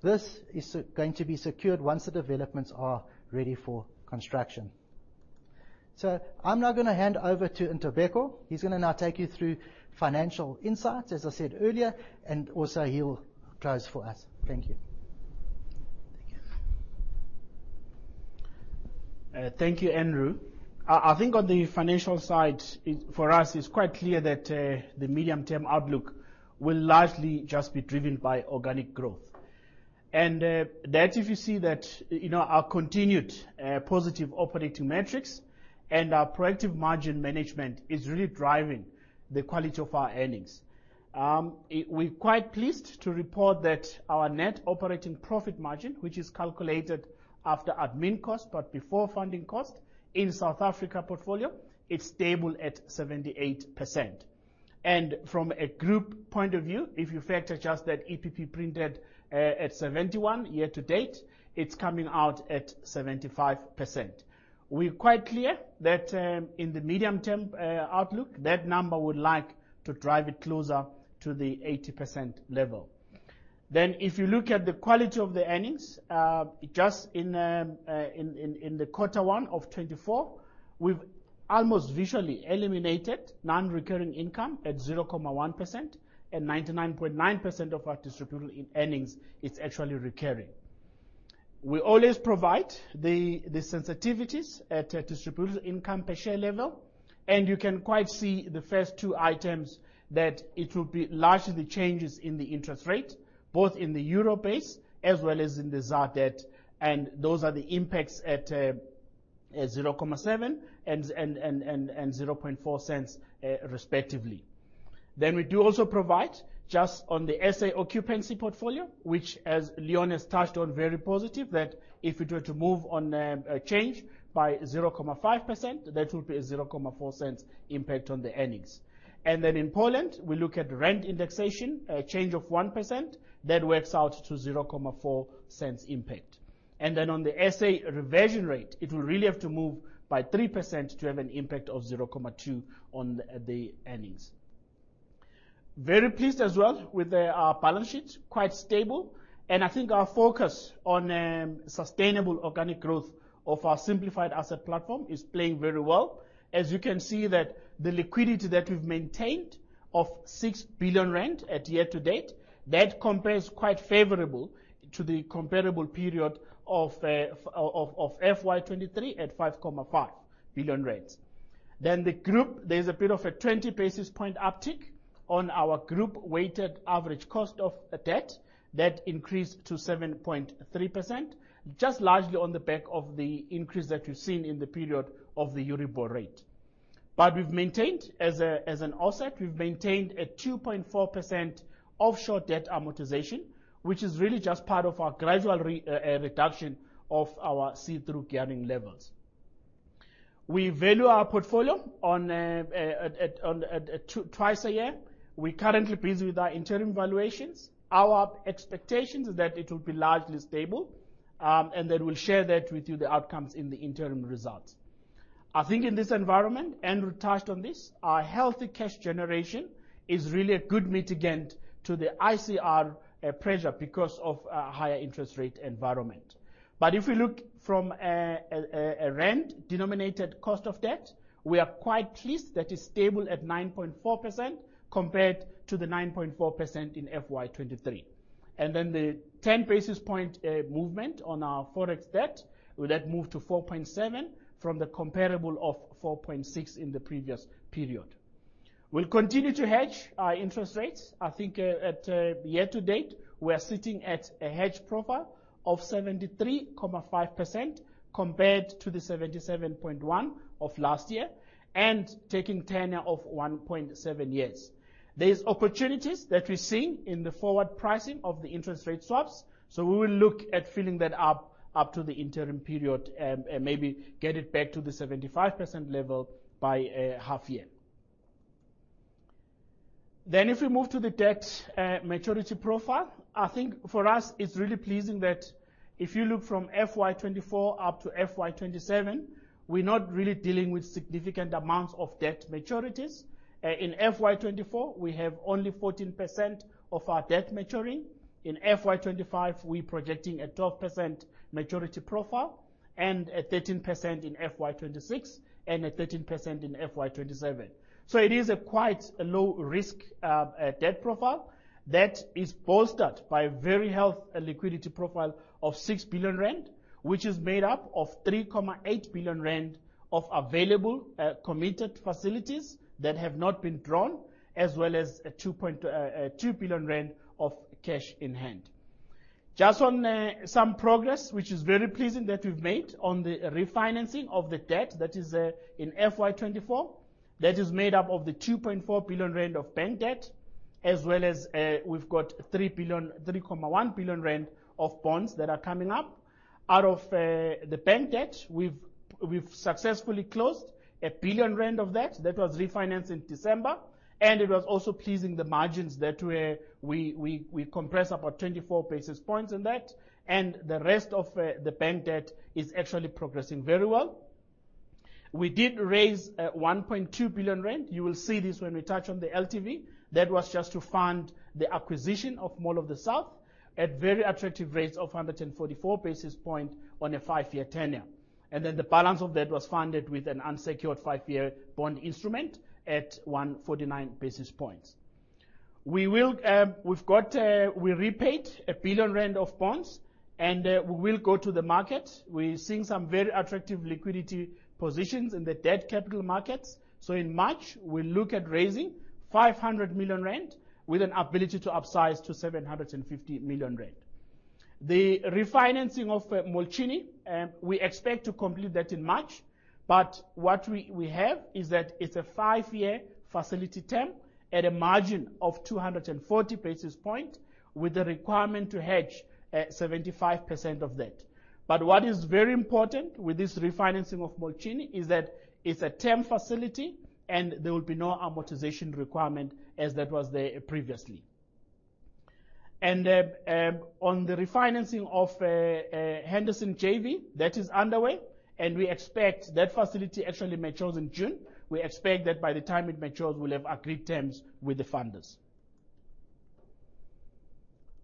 A: this is going to be secured once the developments are ready for construction. I'm now gonna hand over to Ntobeko. He's gonna now take you through financial insights, as I said earlier, and also he will close for us. Thank you.
C: Thank you. Thank you, Andrew. I think on the financial side, for us, it's quite clear that the medium-term outlook will largely just be driven by organic growth. That if you see that, you know, our continued positive operating metrics and our proactive margin management is really driving the quality of our earnings. We're quite pleased to report that our net operating profit margin, which is calculated after admin cost but before funding cost in South Africa portfolio, it's stable at 78%. From a group point of view, if you factor just that EPP printed at 71% year to date, it's coming out at 75%. We're quite clear that in the medium term outlook, that number would like to drive it closer to the 80% level. If you look at the quality of the earnings, just in the quarter one of 2024, we've almost visually eliminated non-recurring income at 0.1%, and 99.9% of our distributable earnings is actually recurring. We always provide the sensitivities at a distributable income per share level, and you can quite see the first two items that it will be largely changes in the interest rate, both in the euro base as well as in the ZAR debt, and those are the impacts at 0.007 and 0.004, respectively. We do also provide just on the SA occupancy portfolio, which as Leon has touched on, very positive, that if we were to move on, a change by 0.5%, that would be a 0.004 impact on the earnings. In Poland, we look at rent indexation, a change of 1%, that works out to 0.004 impact. On the SA reversion rate, it will really have to move by 3% to have an impact of 0.2 on the earnings. Very pleased as well with our balance sheet, quite stable. I think our focus on sustainable organic growth of our simplified asset platform is playing very well. As you can see that the liquidity that we've maintained of 6 billion rand year to date, that compares quite favorable to the comparable period of FY23 at 5.5 billion. The group, there's a bit of a 20 basis point uptick on our group weighted average cost of debt. That increased to 7.3%, just largely on the back of the increase that we've seen in the period of the EURIBOR rate. But we've maintained, as an offset, a 2.4% offshore debt amortization, which is really just part of our gradual reduction of our see-through gearing levels. We value our portfolio twice a year. We're currently busy with our interim valuations. Our expectation is that it will be largely stable, and then we'll share that with you, the outcomes in the interim results. I think in this environment, Andrew touched on this, our healthy cash generation is really a good mitigant to the ICR pressure because of a higher interest rate environment. If we look from a rand-denominated cost of debt, we are quite pleased that is stable at 9.4% compared to the 9.4% in FY23. Then the 10 basis point movement on our Forex debt, well, that moved to 4.7 from the comparable of 4.6 in the previous period. We'll continue to hedge our interest rates. I think at year to date, we are sitting at a hedge profile of 73.5% compared to the 77.1% of last year, and taking tenure of one point seven years. There's opportunities that we're seeing in the forward pricing of the interest rate swaps, so we will look at filling that up to the interim period, and maybe get it back to the 75% level by half year. If we move to the debt maturity profile, I think for us it's really pleasing that if you look from FY24 up to FY27, we're not really dealing with significant amounts of debt maturities. In FY24, we have only 14% of our debt maturing. In FY25, we're projecting a 12% maturity profile and a 13% in FY26. At 13% in FY27. It is a quite low risk debt profile that is bolstered by very healthy liquidity profile of 6 billion rand, which is made up of 3.8 billion rand of available committed facilities that have been drawn, as well as a 2 billion rand of cash in hand. Just on some progress, which is very pleasing that we've made on the refinancing of the debt that is in FY24, that is made up of the 2.4 billion rand of bank debt, as well as we've got 3.1 billion of bonds that are coming up. Out of the bank debt, we've successfully closed 1 billion rand of debt. That was refinanced in December, and it was also pleasing, the margins that we compressed about 24 basis points in that. The rest of the bank debt is actually progressing very well. We did raise 1.2 billion rand. You will see this when we touch on the LTV. That was just to fund the acquisition of Mall of the South at very attractive rates of 144 basis points on a five-year tenure. Then the balance of that was funded with an unsecured five-year bond instrument at 149 basis points. We repaid 1 billion rand of bonds, and we will go to the market. We're seeing some very attractive liquidity positions in the debt capital markets. In March, we'll look at raising 500 million rand with an ability to upsize to 750 million rand. The refinancing of Galeria Młociny, we expect to complete that in March, but what we have is that it's a five-year facility term at a margin of 240 basis points with the requirement to hedge 75% of that. What is very important with this refinancing of Galeria Młociny is that it's a term facility, and there will be no amortization requirement as that was there previously. On the refinancing of Henderson JV, that is underway, and we expect that facility actually matures in June. We expect that by the time it matures, we'll have agreed terms with the funders.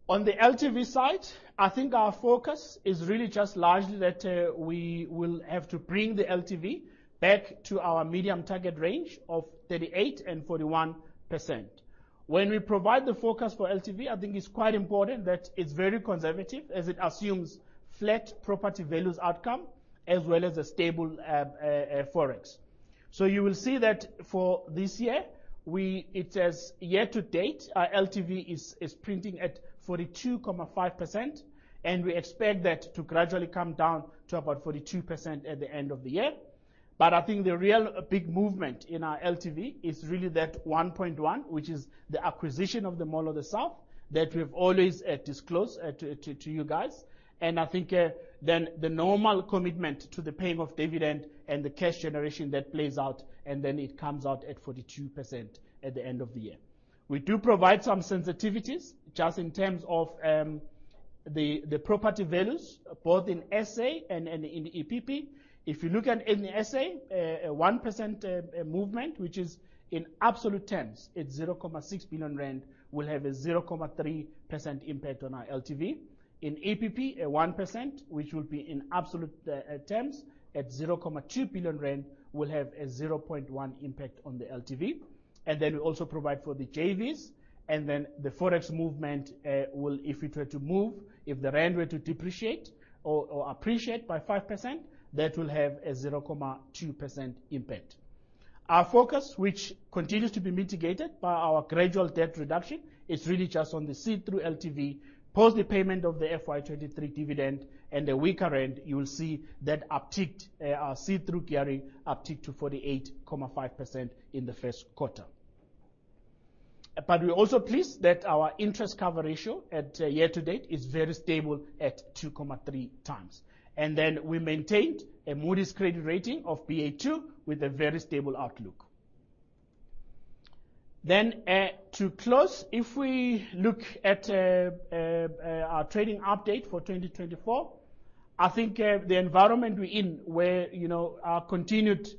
C: On the LTV side, I think our focus is really just largely that we will have to bring the LTV back to our medium target range of 38%-41%. When we provide the forecast for LTV, I think it's quite important that it's very conservative, as it assumes flat property values outcome, as well as a stable Forex. You will see that for this year, it has, year to date, our LTV is printing at 42.5%, and we expect that to gradually come down to about 42% at the end of the year. I think the real big movement in our LTV is really that 1.1, which is the acquisition of the Mall of the South that we've always disclosed to you guys. I think then the normal commitment to the paying of dividend and the cash generation that plays out, and then it comes out at 42% at the end of the year. We do provide some sensitivities, just in terms of the property values, both in SA and in EPP. If you look at in SA, a 1% movement, which is in absolute terms, 0.6 billion rand, will have a 0.3% impact on our LTV. In EPP, a 1%, which will be in absolute terms, 0.2 billion rand, will have a 0.1 impact on the LTV. We also provide for the JVs, and then the Forex movement will, if it were to move, if the rand were to depreciate or appreciate by 5%, that will have a 0.2% impact. Our focus, which continues to be mitigated by our gradual debt reduction, is really just on the see-through LTV. Post the payment of the FY23 dividend and the weaker rand, you will see that uptick, our see-through gearing uptick to 48.5% in the first quarter. We're also pleased that our interest cover ratio at year to date is very stable at 2.3x. We maintained a Moody's credit rating of Ba2 with a very stable outlook. To close, if we look at our trading update for 2024, I think the environment we're in, where you know our continued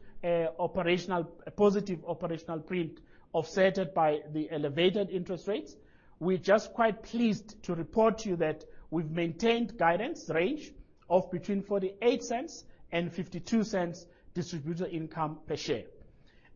C: operational positive operational print offset by the elevated interest rates, we're just quite pleased to report to you that we've maintained guidance range of between 0.48-0.52 distributable income per share.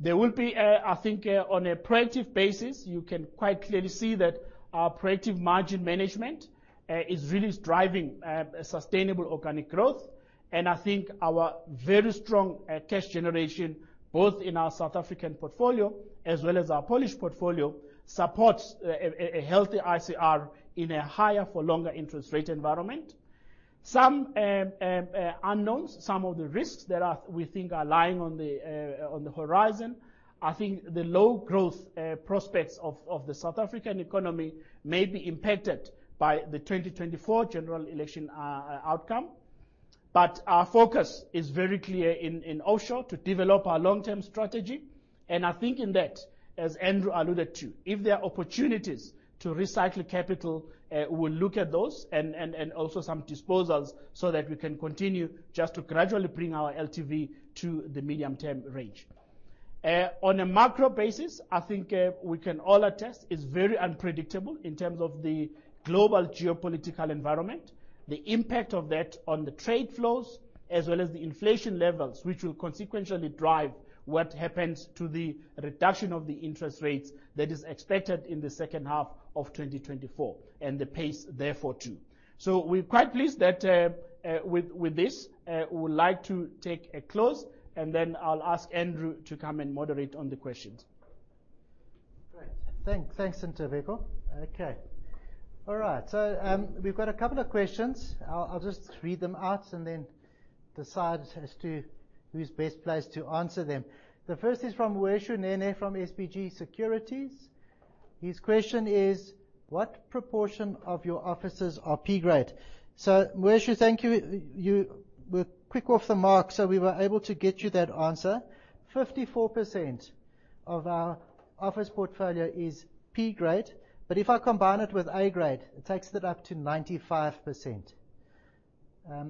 C: On a proactive basis, I think you can quite clearly see that our proactive margin management is really driving sustainable organic growth. I think our very strong cash generation, both in our South African portfolio as well as our Polish portfolio, supports a healthy ICR in a higher for longer interest rate environment. Some unknowns, some of the risks that we think are lying on the horizon. I think the low growth prospects of the South African economy may be impacted by the 2024 general election outcome. Our focus is very clear in offshore to develop our long-term strategy. I think in that, as Andrew alluded to, if there are opportunities to recycle capital, we'll look at those and also some disposals so that we can continue just to gradually bring our LTV to the medium-term range. On a macro basis, I think we can all attest it's very unpredictable in terms of the global geopolitical environment, the impact of that on the trade flows, as well as the inflation levels, which will consequentially drive what happens to the reduction of the interest rates that is expected in the second half of 2024, and the pace therefore too. We're quite pleased that with this, we would like to take a close, and then I'll ask Andrew to come and moderate on the questions.
A: Great. Thanks, Ntobeko. Okay. All right. We've got a couple of questions. I'll just read them out and then decide as to who's best placed to answer them. The first is from Weshu Nene from SBG Securities. His question is: What proportion of your offices are Premium grade? Weshu, thank you. You were quick off the mark, so we were able to get you that answer. 54% of our office portfolio is Premium grade, but if I combine it with A grade, it takes it up to 95%.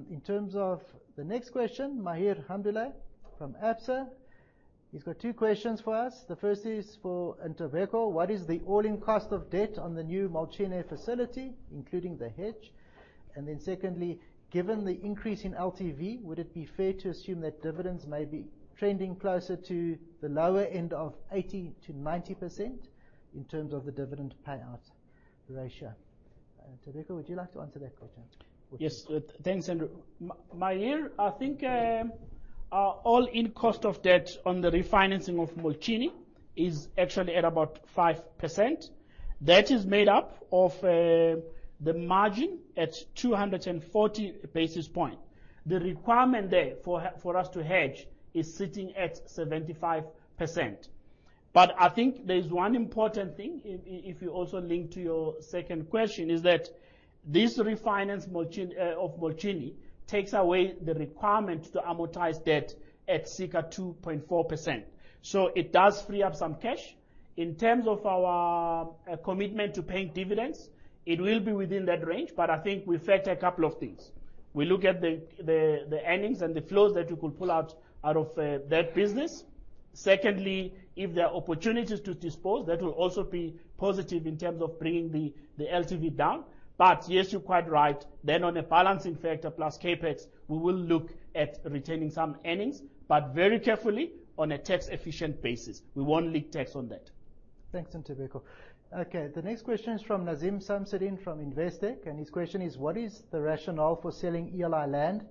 A: In terms of the next question, Mahir Hamdulay from Absa, he's got two questions for us. The first is for Ntobeko: What is the all-in cost of debt on the new Młociny facility, including the hedge? Secondly: Given the increase in LTV, would it be fair to assume that dividends may be trending closer to the lower end of 80%-90% in terms of the dividend payout ratio? Ntobeko, would you like to answer that question?
C: Yes. Thanks, Andrew. Mahir, I think, our all-in cost of debt on the refinancing of M1 is actually at about 5%. That is made up of, the margin at 240 basis points. The requirement there for us to hedge is sitting at 75%. I think there's one important thing, if you also link to your second question, is that this refinance of M1 takes away the requirement to amortize debt at circa 2.4%, so it does free up some cash. In terms of our, commitment to paying dividends, it will be within that range, but I think we factor a couple of things. We look at the earnings and the flows that we could pull out of that business. Secondly, if there are opportunities to dispose, that will also be positive in terms of bringing the LTV down. Yes, you're quite right. On a balancing factor plus CapEx, we will look at retaining some earnings, but very carefully on a tax-efficient basis. We won't leak tax on that.
A: Thanks, Ntobeko. Okay. The next question is from Nazeem Samsodien from Investec, and his question is: What is the rationale for selling ELI land?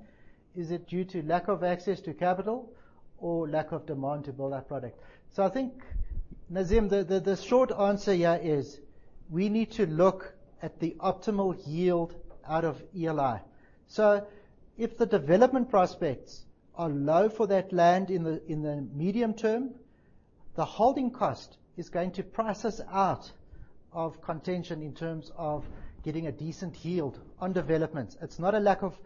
A: Is it due to lack of access to capital or lack of demand to build our product? I think, Nazeem, the short answer here is we need to look at the optimal yield out of ELI. If the development prospects are low for that land in the medium term, the holding cost is going to price us out of contention in terms of getting a decent yield on developments. It's not a lack of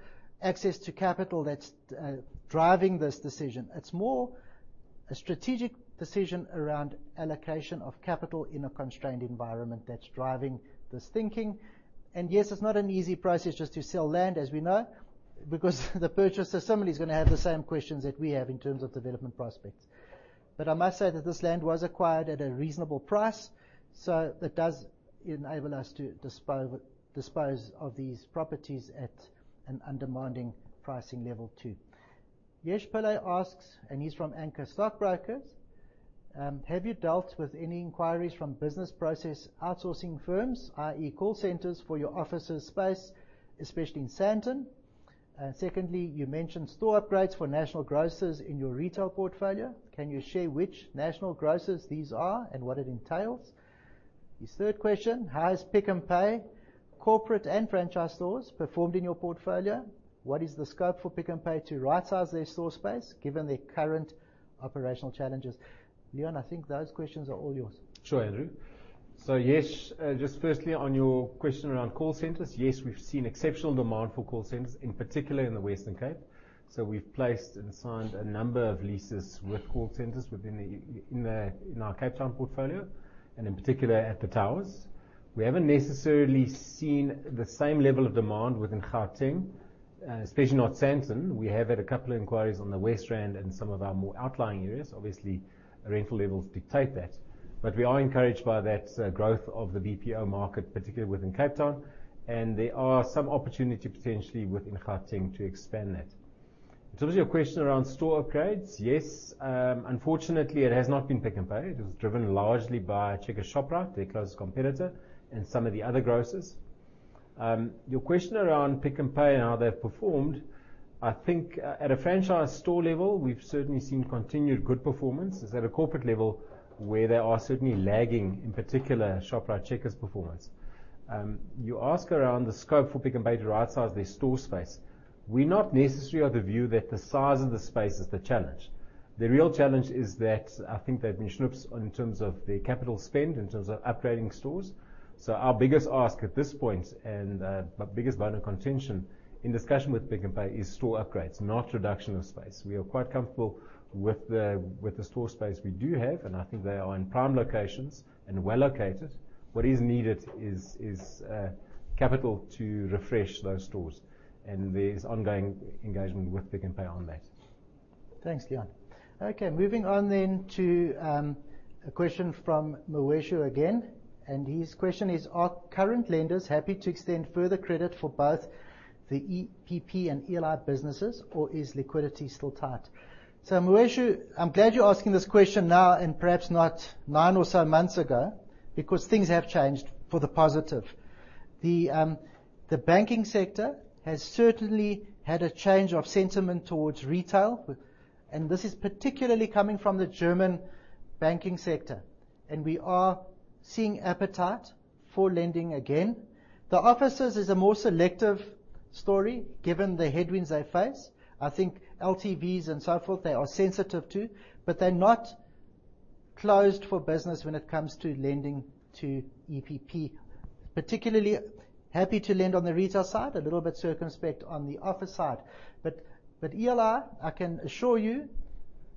A: access to capital that's driving this decision. It's more a strategic decision around allocation of capital in a constrained environment that's driving this thinking. Yes, it's not an easy process just to sell land, as we know, because the purchaser, somebody's gonna have the same questions that we have in terms of development prospects. I must say that this land was acquired at a reasonable price, so that does enable us to dispose of these properties at an undemanding pricing level too. Yesh Pillay asks, and he's from Anchor Stockbrokers: Have you dealt with any inquiries from business process outsourcing firms, i.e., call centers for your office space, especially in Sandton? Secondly, you mentioned store upgrades for national grocers in your retail portfolio. Can you share which national grocers these are and what it entails? His third question: How has Pick n Pay corporate and franchise stores performed in your portfolio? What is the scope for Pick n Pay to rightsize their store space given their current operational challenges? Leon, I think those questions are all yours.
B: Sure, Andrew. Yesh Pillay, just firstly on your question around call centers, yes, we've seen exceptional demand for call centers, in particular in the Western Cape, so we've placed and signed a number of leases with call centers within our Cape Town portfolio, and in particular at the Towers. We haven't necessarily seen the same level of demand within Gauteng, especially not Sandton. We have had a couple of inquiries on the West Rand and some of our more outlying areas. Obviously, rental levels dictate that. We are encouraged by that growth of the BPO market, particularly within Cape Town, and there are some opportunity potentially within Gauteng to expand that. In terms of your question around store upgrades, yes, unfortunately, it has not been Pick n Pay. It was driven largely by Checkers Shoprite, their closest competitor, and some of the other grocers. Your question around Pick n Pay and how they've performed, I think at a franchise store level, we've certainly seen continued good performance. It's at a corporate level where they are certainly lagging, in particular, Shoprite Checkers' performance. You ask around the scope for Pick n Pay to rightsize their store space. We're not necessarily of the view that the size of the space is the challenge. The real challenge is that I think they've been stingy in terms of their capital spend, in terms of upgrading stores. Our biggest ask at this point, and biggest bone of contention in discussion with Pick n Pay is store upgrades, not reduction of space. We are quite comfortable with the store space we do have, and I think they are in prime locations and well located. What is needed is capital to refresh those stores, and there's ongoing engagement with Pick n Pay on that.
A: Thanks, Leon. Okay, moving on then to a question from Weshu again, and his question is: Are current lenders happy to extend further credit for both the EPP and ELI businesses, or is liquidity still tight? Weshu, I'm glad you're asking this question now, and perhaps not nine or so months ago, because things have changed for the positive. The banking sector has certainly had a change of sentiment towards retail, and this is particularly coming from the German banking sector, and we are seeing appetite for lending again. The offices is a more selective story, given the headwinds they face. I think LTVs and so forth, they are sensitive to, but they're not closed for business when it comes to lending to EPP. Particularly happy to lend on the retail side, a little bit circumspect on the office side. ELI, I can assure you,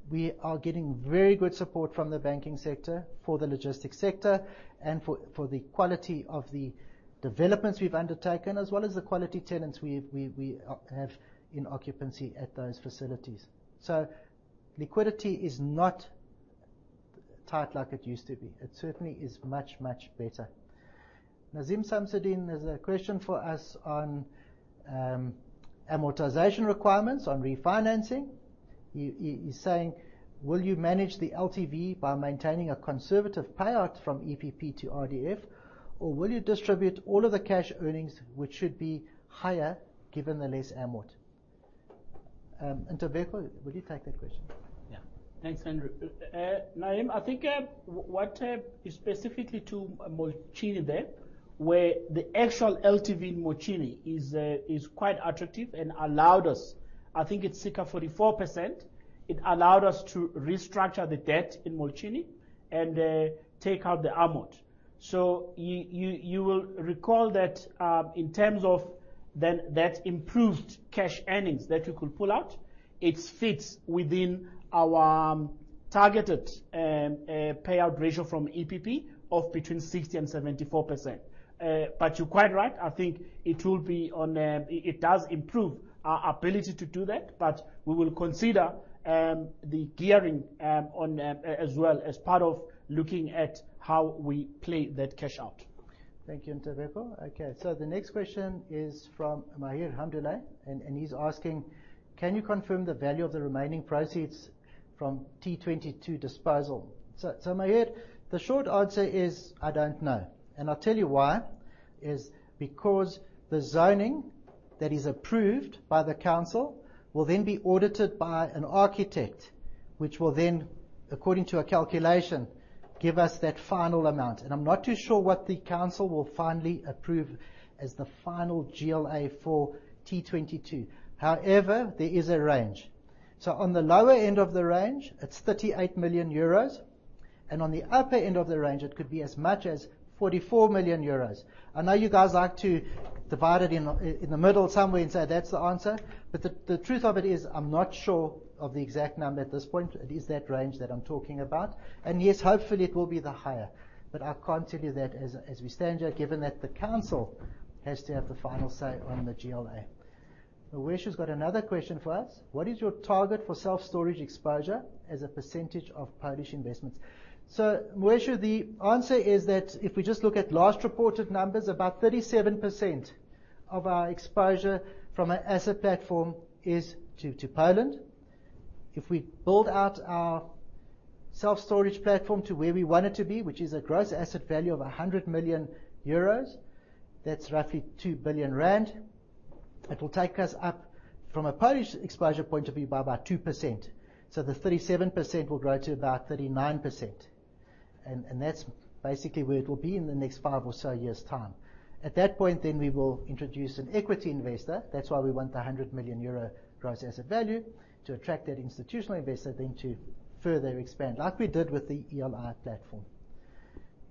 A: we are getting very good support from the banking sector for the logistics sector and for the quality of the developments we've undertaken, as well as the quality tenants we have in occupancy at those facilities. Liquidity is not tight like it used to be. It certainly is much better. Nazeem Samsodien has a question for us on amortization requirements on refinancing. He's saying: Will you manage the LTV by maintaining a conservative payout from EPP to RDF? Or will you distribute all of the cash earnings, which should be higher given the less amort? Ntobeko, will you take that question?
C: Yeah. Thanks, Andrew. Nazeem, I think what is specific to Młociny there, where the actual LTV in Młociny is quite attractive and allowed us. I think it's circa 44%. It allowed us to restructure the debt in Młociny and take out the amort. You will recall that in terms of then that improved cash earnings that we could pull out, it fits within our targeted payout ratio from EPP of between 60% and 74%. You're quite right. I think it will be on, it does improve our ability to do that, but we will consider the gearing on as well as part of looking at how we pay that cash out.
A: Thank you, Ntobeko. Okay. The next question is from Mahir Hamdulay, and he's asking: Can you confirm the value of the remaining proceeds from T-22 disposal? Mahir, the short answer is: I don't know, and I'll tell you why. It's because the zoning that is approved by the council will then be audited by an architect, which will then, according to a calculation, give us that final amount. I'm not too sure what the council will finally approve as the final GLA for T-22. However, there is a range. On the lower end of the range, it's 38 million euros, and on the upper end of the range, it could be as much as 44 million euros. I know you guys like to divide it in the middle somewhere and say, "That's the answer," but the truth of it is, I'm not sure of the exact number at this point. It is that range that I'm talking about. Yes, hopefully it will be the higher, but I can't tell you that as we stand here, given that the council has to have the final say on the GLA. Weshu's got another question for us: What is your target for self-storage exposure as a percentage of Polish investments? Weshu, the answer is that if we just look at last reported numbers, about 37% of our exposure from an asset platform is to Poland. If we build out our self-storage platform to where we want it to be, which is a gross asset value of 100 million euros, that's roughly 2 billion rand. It'll take us up from a Polish exposure point of view by about 2%. The 37% will grow to about 39%. That's basically where it will be in the next five or so years' time. At that point, we will introduce an equity investor. That's why we want the 100 million euro gross asset value to attract that institutional investor then to further expand, like we did with the ELI platform.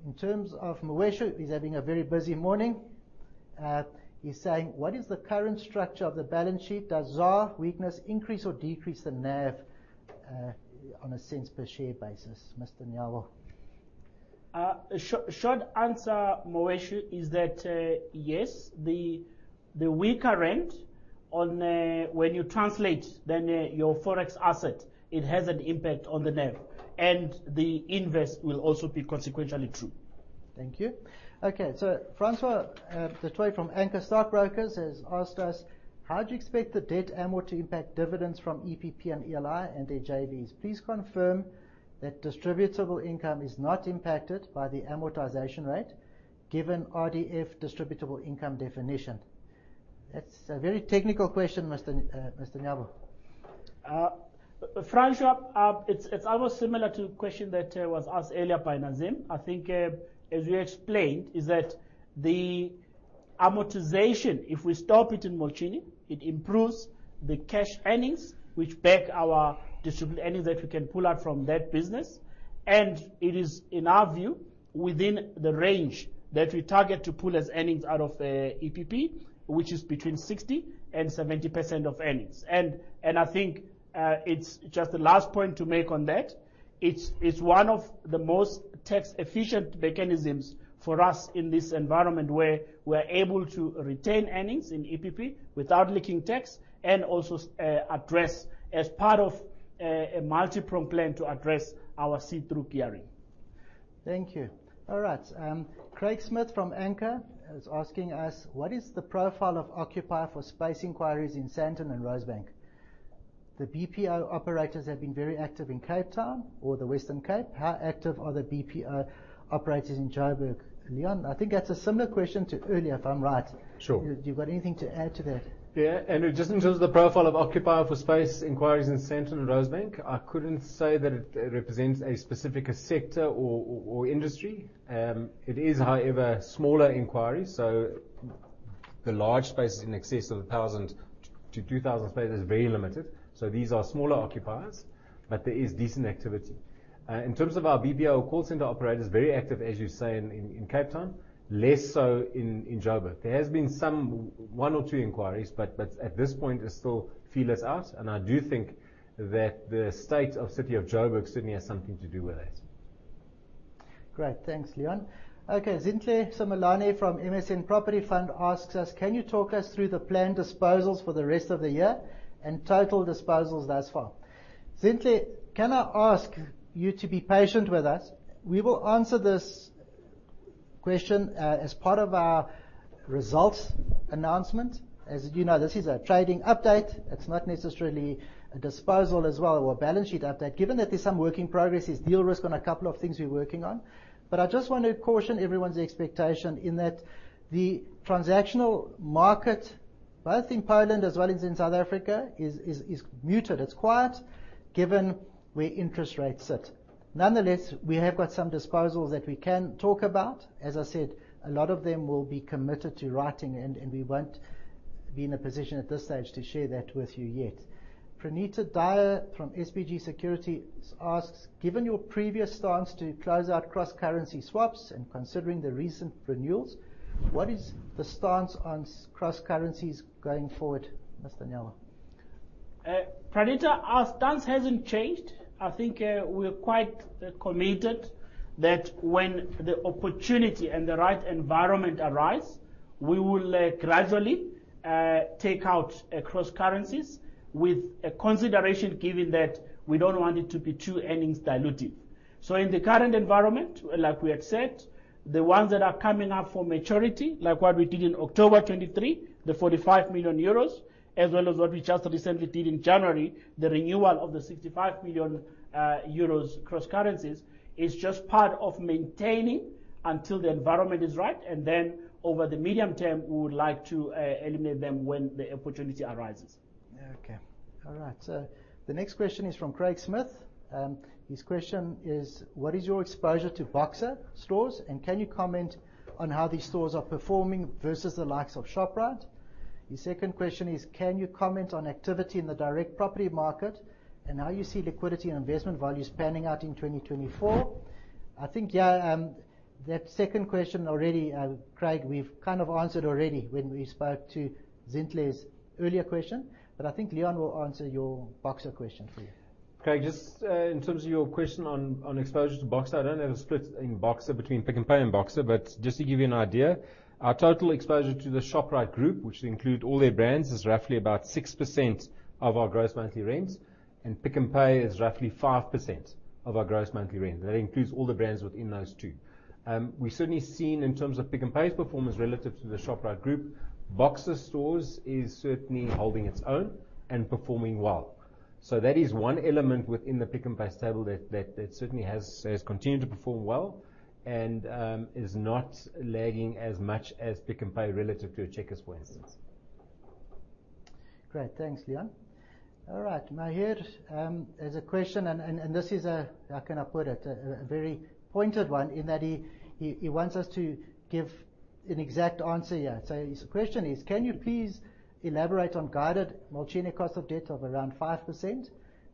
A: In terms of Weshu, he's having a very busy morning. He's saying: What is the current structure of the balance sheet? Does ZAR weakness increase or decrease the NAV on a cents per share basis, Mr. Nyawo?
C: Short answer, Weshu, is that yes, the weaker rand, when you translate, then your Forex asset, it has an impact on the NAV and the inverse will also be consequentially true.
A: Thank you. Okay. Francois du Toit from Anchor Stockbrokers has asked us: How do you expect the debt amort to impact dividends from EPP and ELI and their JVs? Please confirm that distributable income is not impacted by the amortization rate given RDF distributable income definition. That's a very technical question, Mr. Nyawo.
C: Francois, it's almost similar to the question that was asked earlier by Nazeem. I think, as we explained, that the amortization, if we stop it in Młociny, it improves the cash earnings, which back our distributable earnings that we can pull out from that business. It is, in our view, within the range that we target to pull as earnings out of EPP, which is between 60%-70% of earnings. I think, it's just the last point to make on that, it's one of the most tax-efficient mechanisms for us in this environment, where we're able to retain earnings in EPP without leaking tax and also address as part of a multi-prong plan to address our see-through gearing.
A: Thank you. All right, Craig Smith from Anchor is asking us: what is the profile of occupier for space inquiries in Sandton and Rosebank? The BPO operators have been very active in Cape Town or the Western Cape. How active are the BPO operators in Joburg? Leon, I think that's a similar question to earlier, if I'm right.
B: Sure.
A: Do you have anything to add to that?
B: Yeah. Andrew, just in terms of the profile of occupier for space inquiries in Sandton and Rosebank, I couldn't say that it represents a specific sector or industry. It is, however, smaller inquiries, so the large space is in excess of 1,000-2,000 space is very limited. These are smaller occupiers. There is decent activity. In terms of our BPO call center operators, very active, as you say, in Cape Town, less so in Joburg. There has been some one or two inquiries, but at this point, it's still feelers out, and I do think that the state of city of Joburg certainly has something to do with it.
A: Great. Thanks, Leon. Okay, Zintle Simelane from MSM Property Fund asks us: can you talk us through the planned disposals for the rest of the year and total disposals thus far? Zintle, can I ask you to be patient with us? We will answer this question as part of our results announcement. As you know, this is a trading update. It's not necessarily a disposal as well, or a balance sheet update. Given that there's some work in progress, there's deal risk on a couple of things we're working on. I just want to caution everyone's expectation in that the transactional market, both in Poland as well as in South Africa, is muted. It's quiet given where interest rates sit. Nonetheless, we have got some disposals that we can talk about. As I said, a lot of them will be committed to writing, and we won't be in a position at this stage to share that with you yet. Pranita Daya from Truffle Asset Management asks: given your previous stance to close out cross-currency swaps and considering the recent renewals, what is the stance on cross-currencies going forward? Mr. Nyawo.
C: Pranita, our stance hasn't changed. I think, we're quite committed that when the opportunity and the right environment arise, we will gradually take out cross currencies with a consideration given that we don't want it to be too earnings dilutive. In the current environment, like we had said, the ones that are coming up for maturity, like what we did in October 2023, the 45 million euros, as well as what we just recently did in January, the renewal of the 65 million euros cross currencies, is just part of maintaining until the environment is right. Over the medium term, we would like to eliminate them when the opportunity arises.
A: Okay. All right. The next question is from Craig Smith. His question is: what is your exposure to Boxer stores, and can you comment on how these stores are performing versus the likes of Shoprite? The second question is: can you comment on activity in the direct property market and how you see liquidity and investment values panning out in 2024? I think, yeah, that second question already, Craig, we've kind of answered already when we spoke to Zintle's earlier question, but I think Leon will answer your Boxer question for you.
B: Craig, just in terms of your question on exposure to Boxer, I don't have a split in Boxer between Pick n Pay and Boxer. To give you an idea, our total exposure to the Shoprite group, which include all their brands, is roughly about 6% of our gross monthly rents, and Pick n Pay is roughly 5% of our gross monthly rent. That includes all the brands within those two. We've certainly seen in terms of Pick n Pay's performance relative to the Shoprite group, Boxer stores is certainly holding its own and performing well. That is one element within the Pick n Pay stable that certainly has continued to perform well and is not lagging as much as Pick n Pay relative to a Checkers, for instance.
A: Great. Thanks, Leon. All right. Mahir, there's a question, and this is a, how can I put it? A very pointed one in that he wants us to give an exact answer here. His question is: can you please elaborate on guidance all-in cost of debt of around 5%,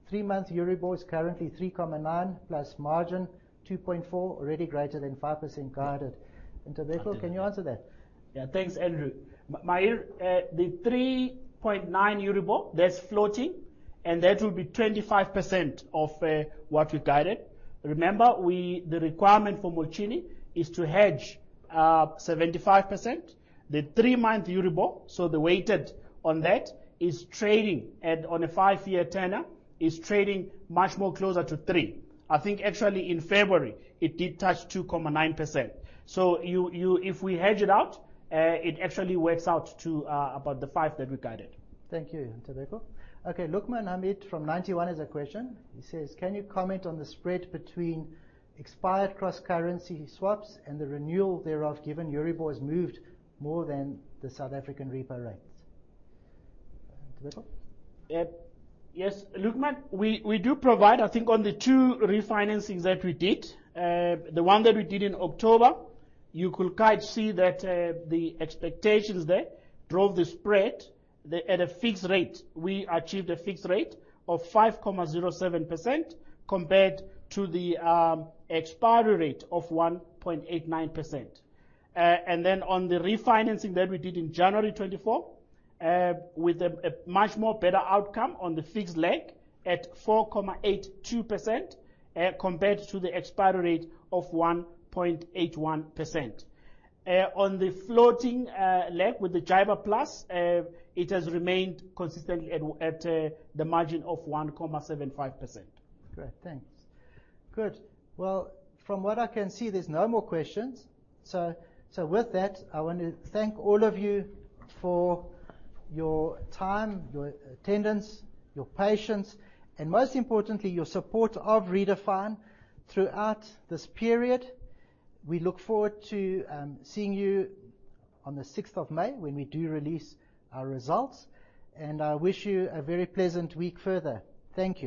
A: three-month EURIBOR is currently 3.9, plus margin 2.4, already greater than 5% guided. Ntobeko, can you answer that?
C: Yeah. Thanks, Andrew. Mahir, the 3.9 EURIBOR, that's floating, and that will be 25% of what we've guided. Remember, the requirement for EPP is to hedge 75%. The three-month EURIBOR, so the weighted on that, is trading at, on a five-year tenor, is trading much closer to three. I think actually in February it did touch 2.9%. So, if we hedge it out, it actually works out to about the five that we guided.
A: Thank you, Ntobeko. Okay, Luqman Hamid from Ninety One has a question. He says: Can you comment on the spread between expired cross-currency swaps and the renewal thereof, given EURIBOR has moved more than the South African repo rates? Ntobeko.
C: Yes. Luqman, we do provide, I think on the two refinancings that we did, the one that we did in October, you could kind of see that the expectations there drove the spread at a fixed rate. We achieved a fixed rate of 5.07% compared to the expiry rate of 1.89%. On the refinancing that we did in January 2024, with a much more better outcome on the fixed leg at 4.82%, compared to the expiry rate of 1.81%. On the floating leg with the JIBAR plus, it has remained consistently at the margin of 1.75%.
A: Great. Thanks. Good. Well, from what I can see, there's no more questions. With that, I want to thank all of you for your time, your attendance, your patience, and most importantly, your support of Redefine throughout this period. We look forward to seeing you on the 6th of May when we do release our results. I wish you a very pleasant week further. Thank you.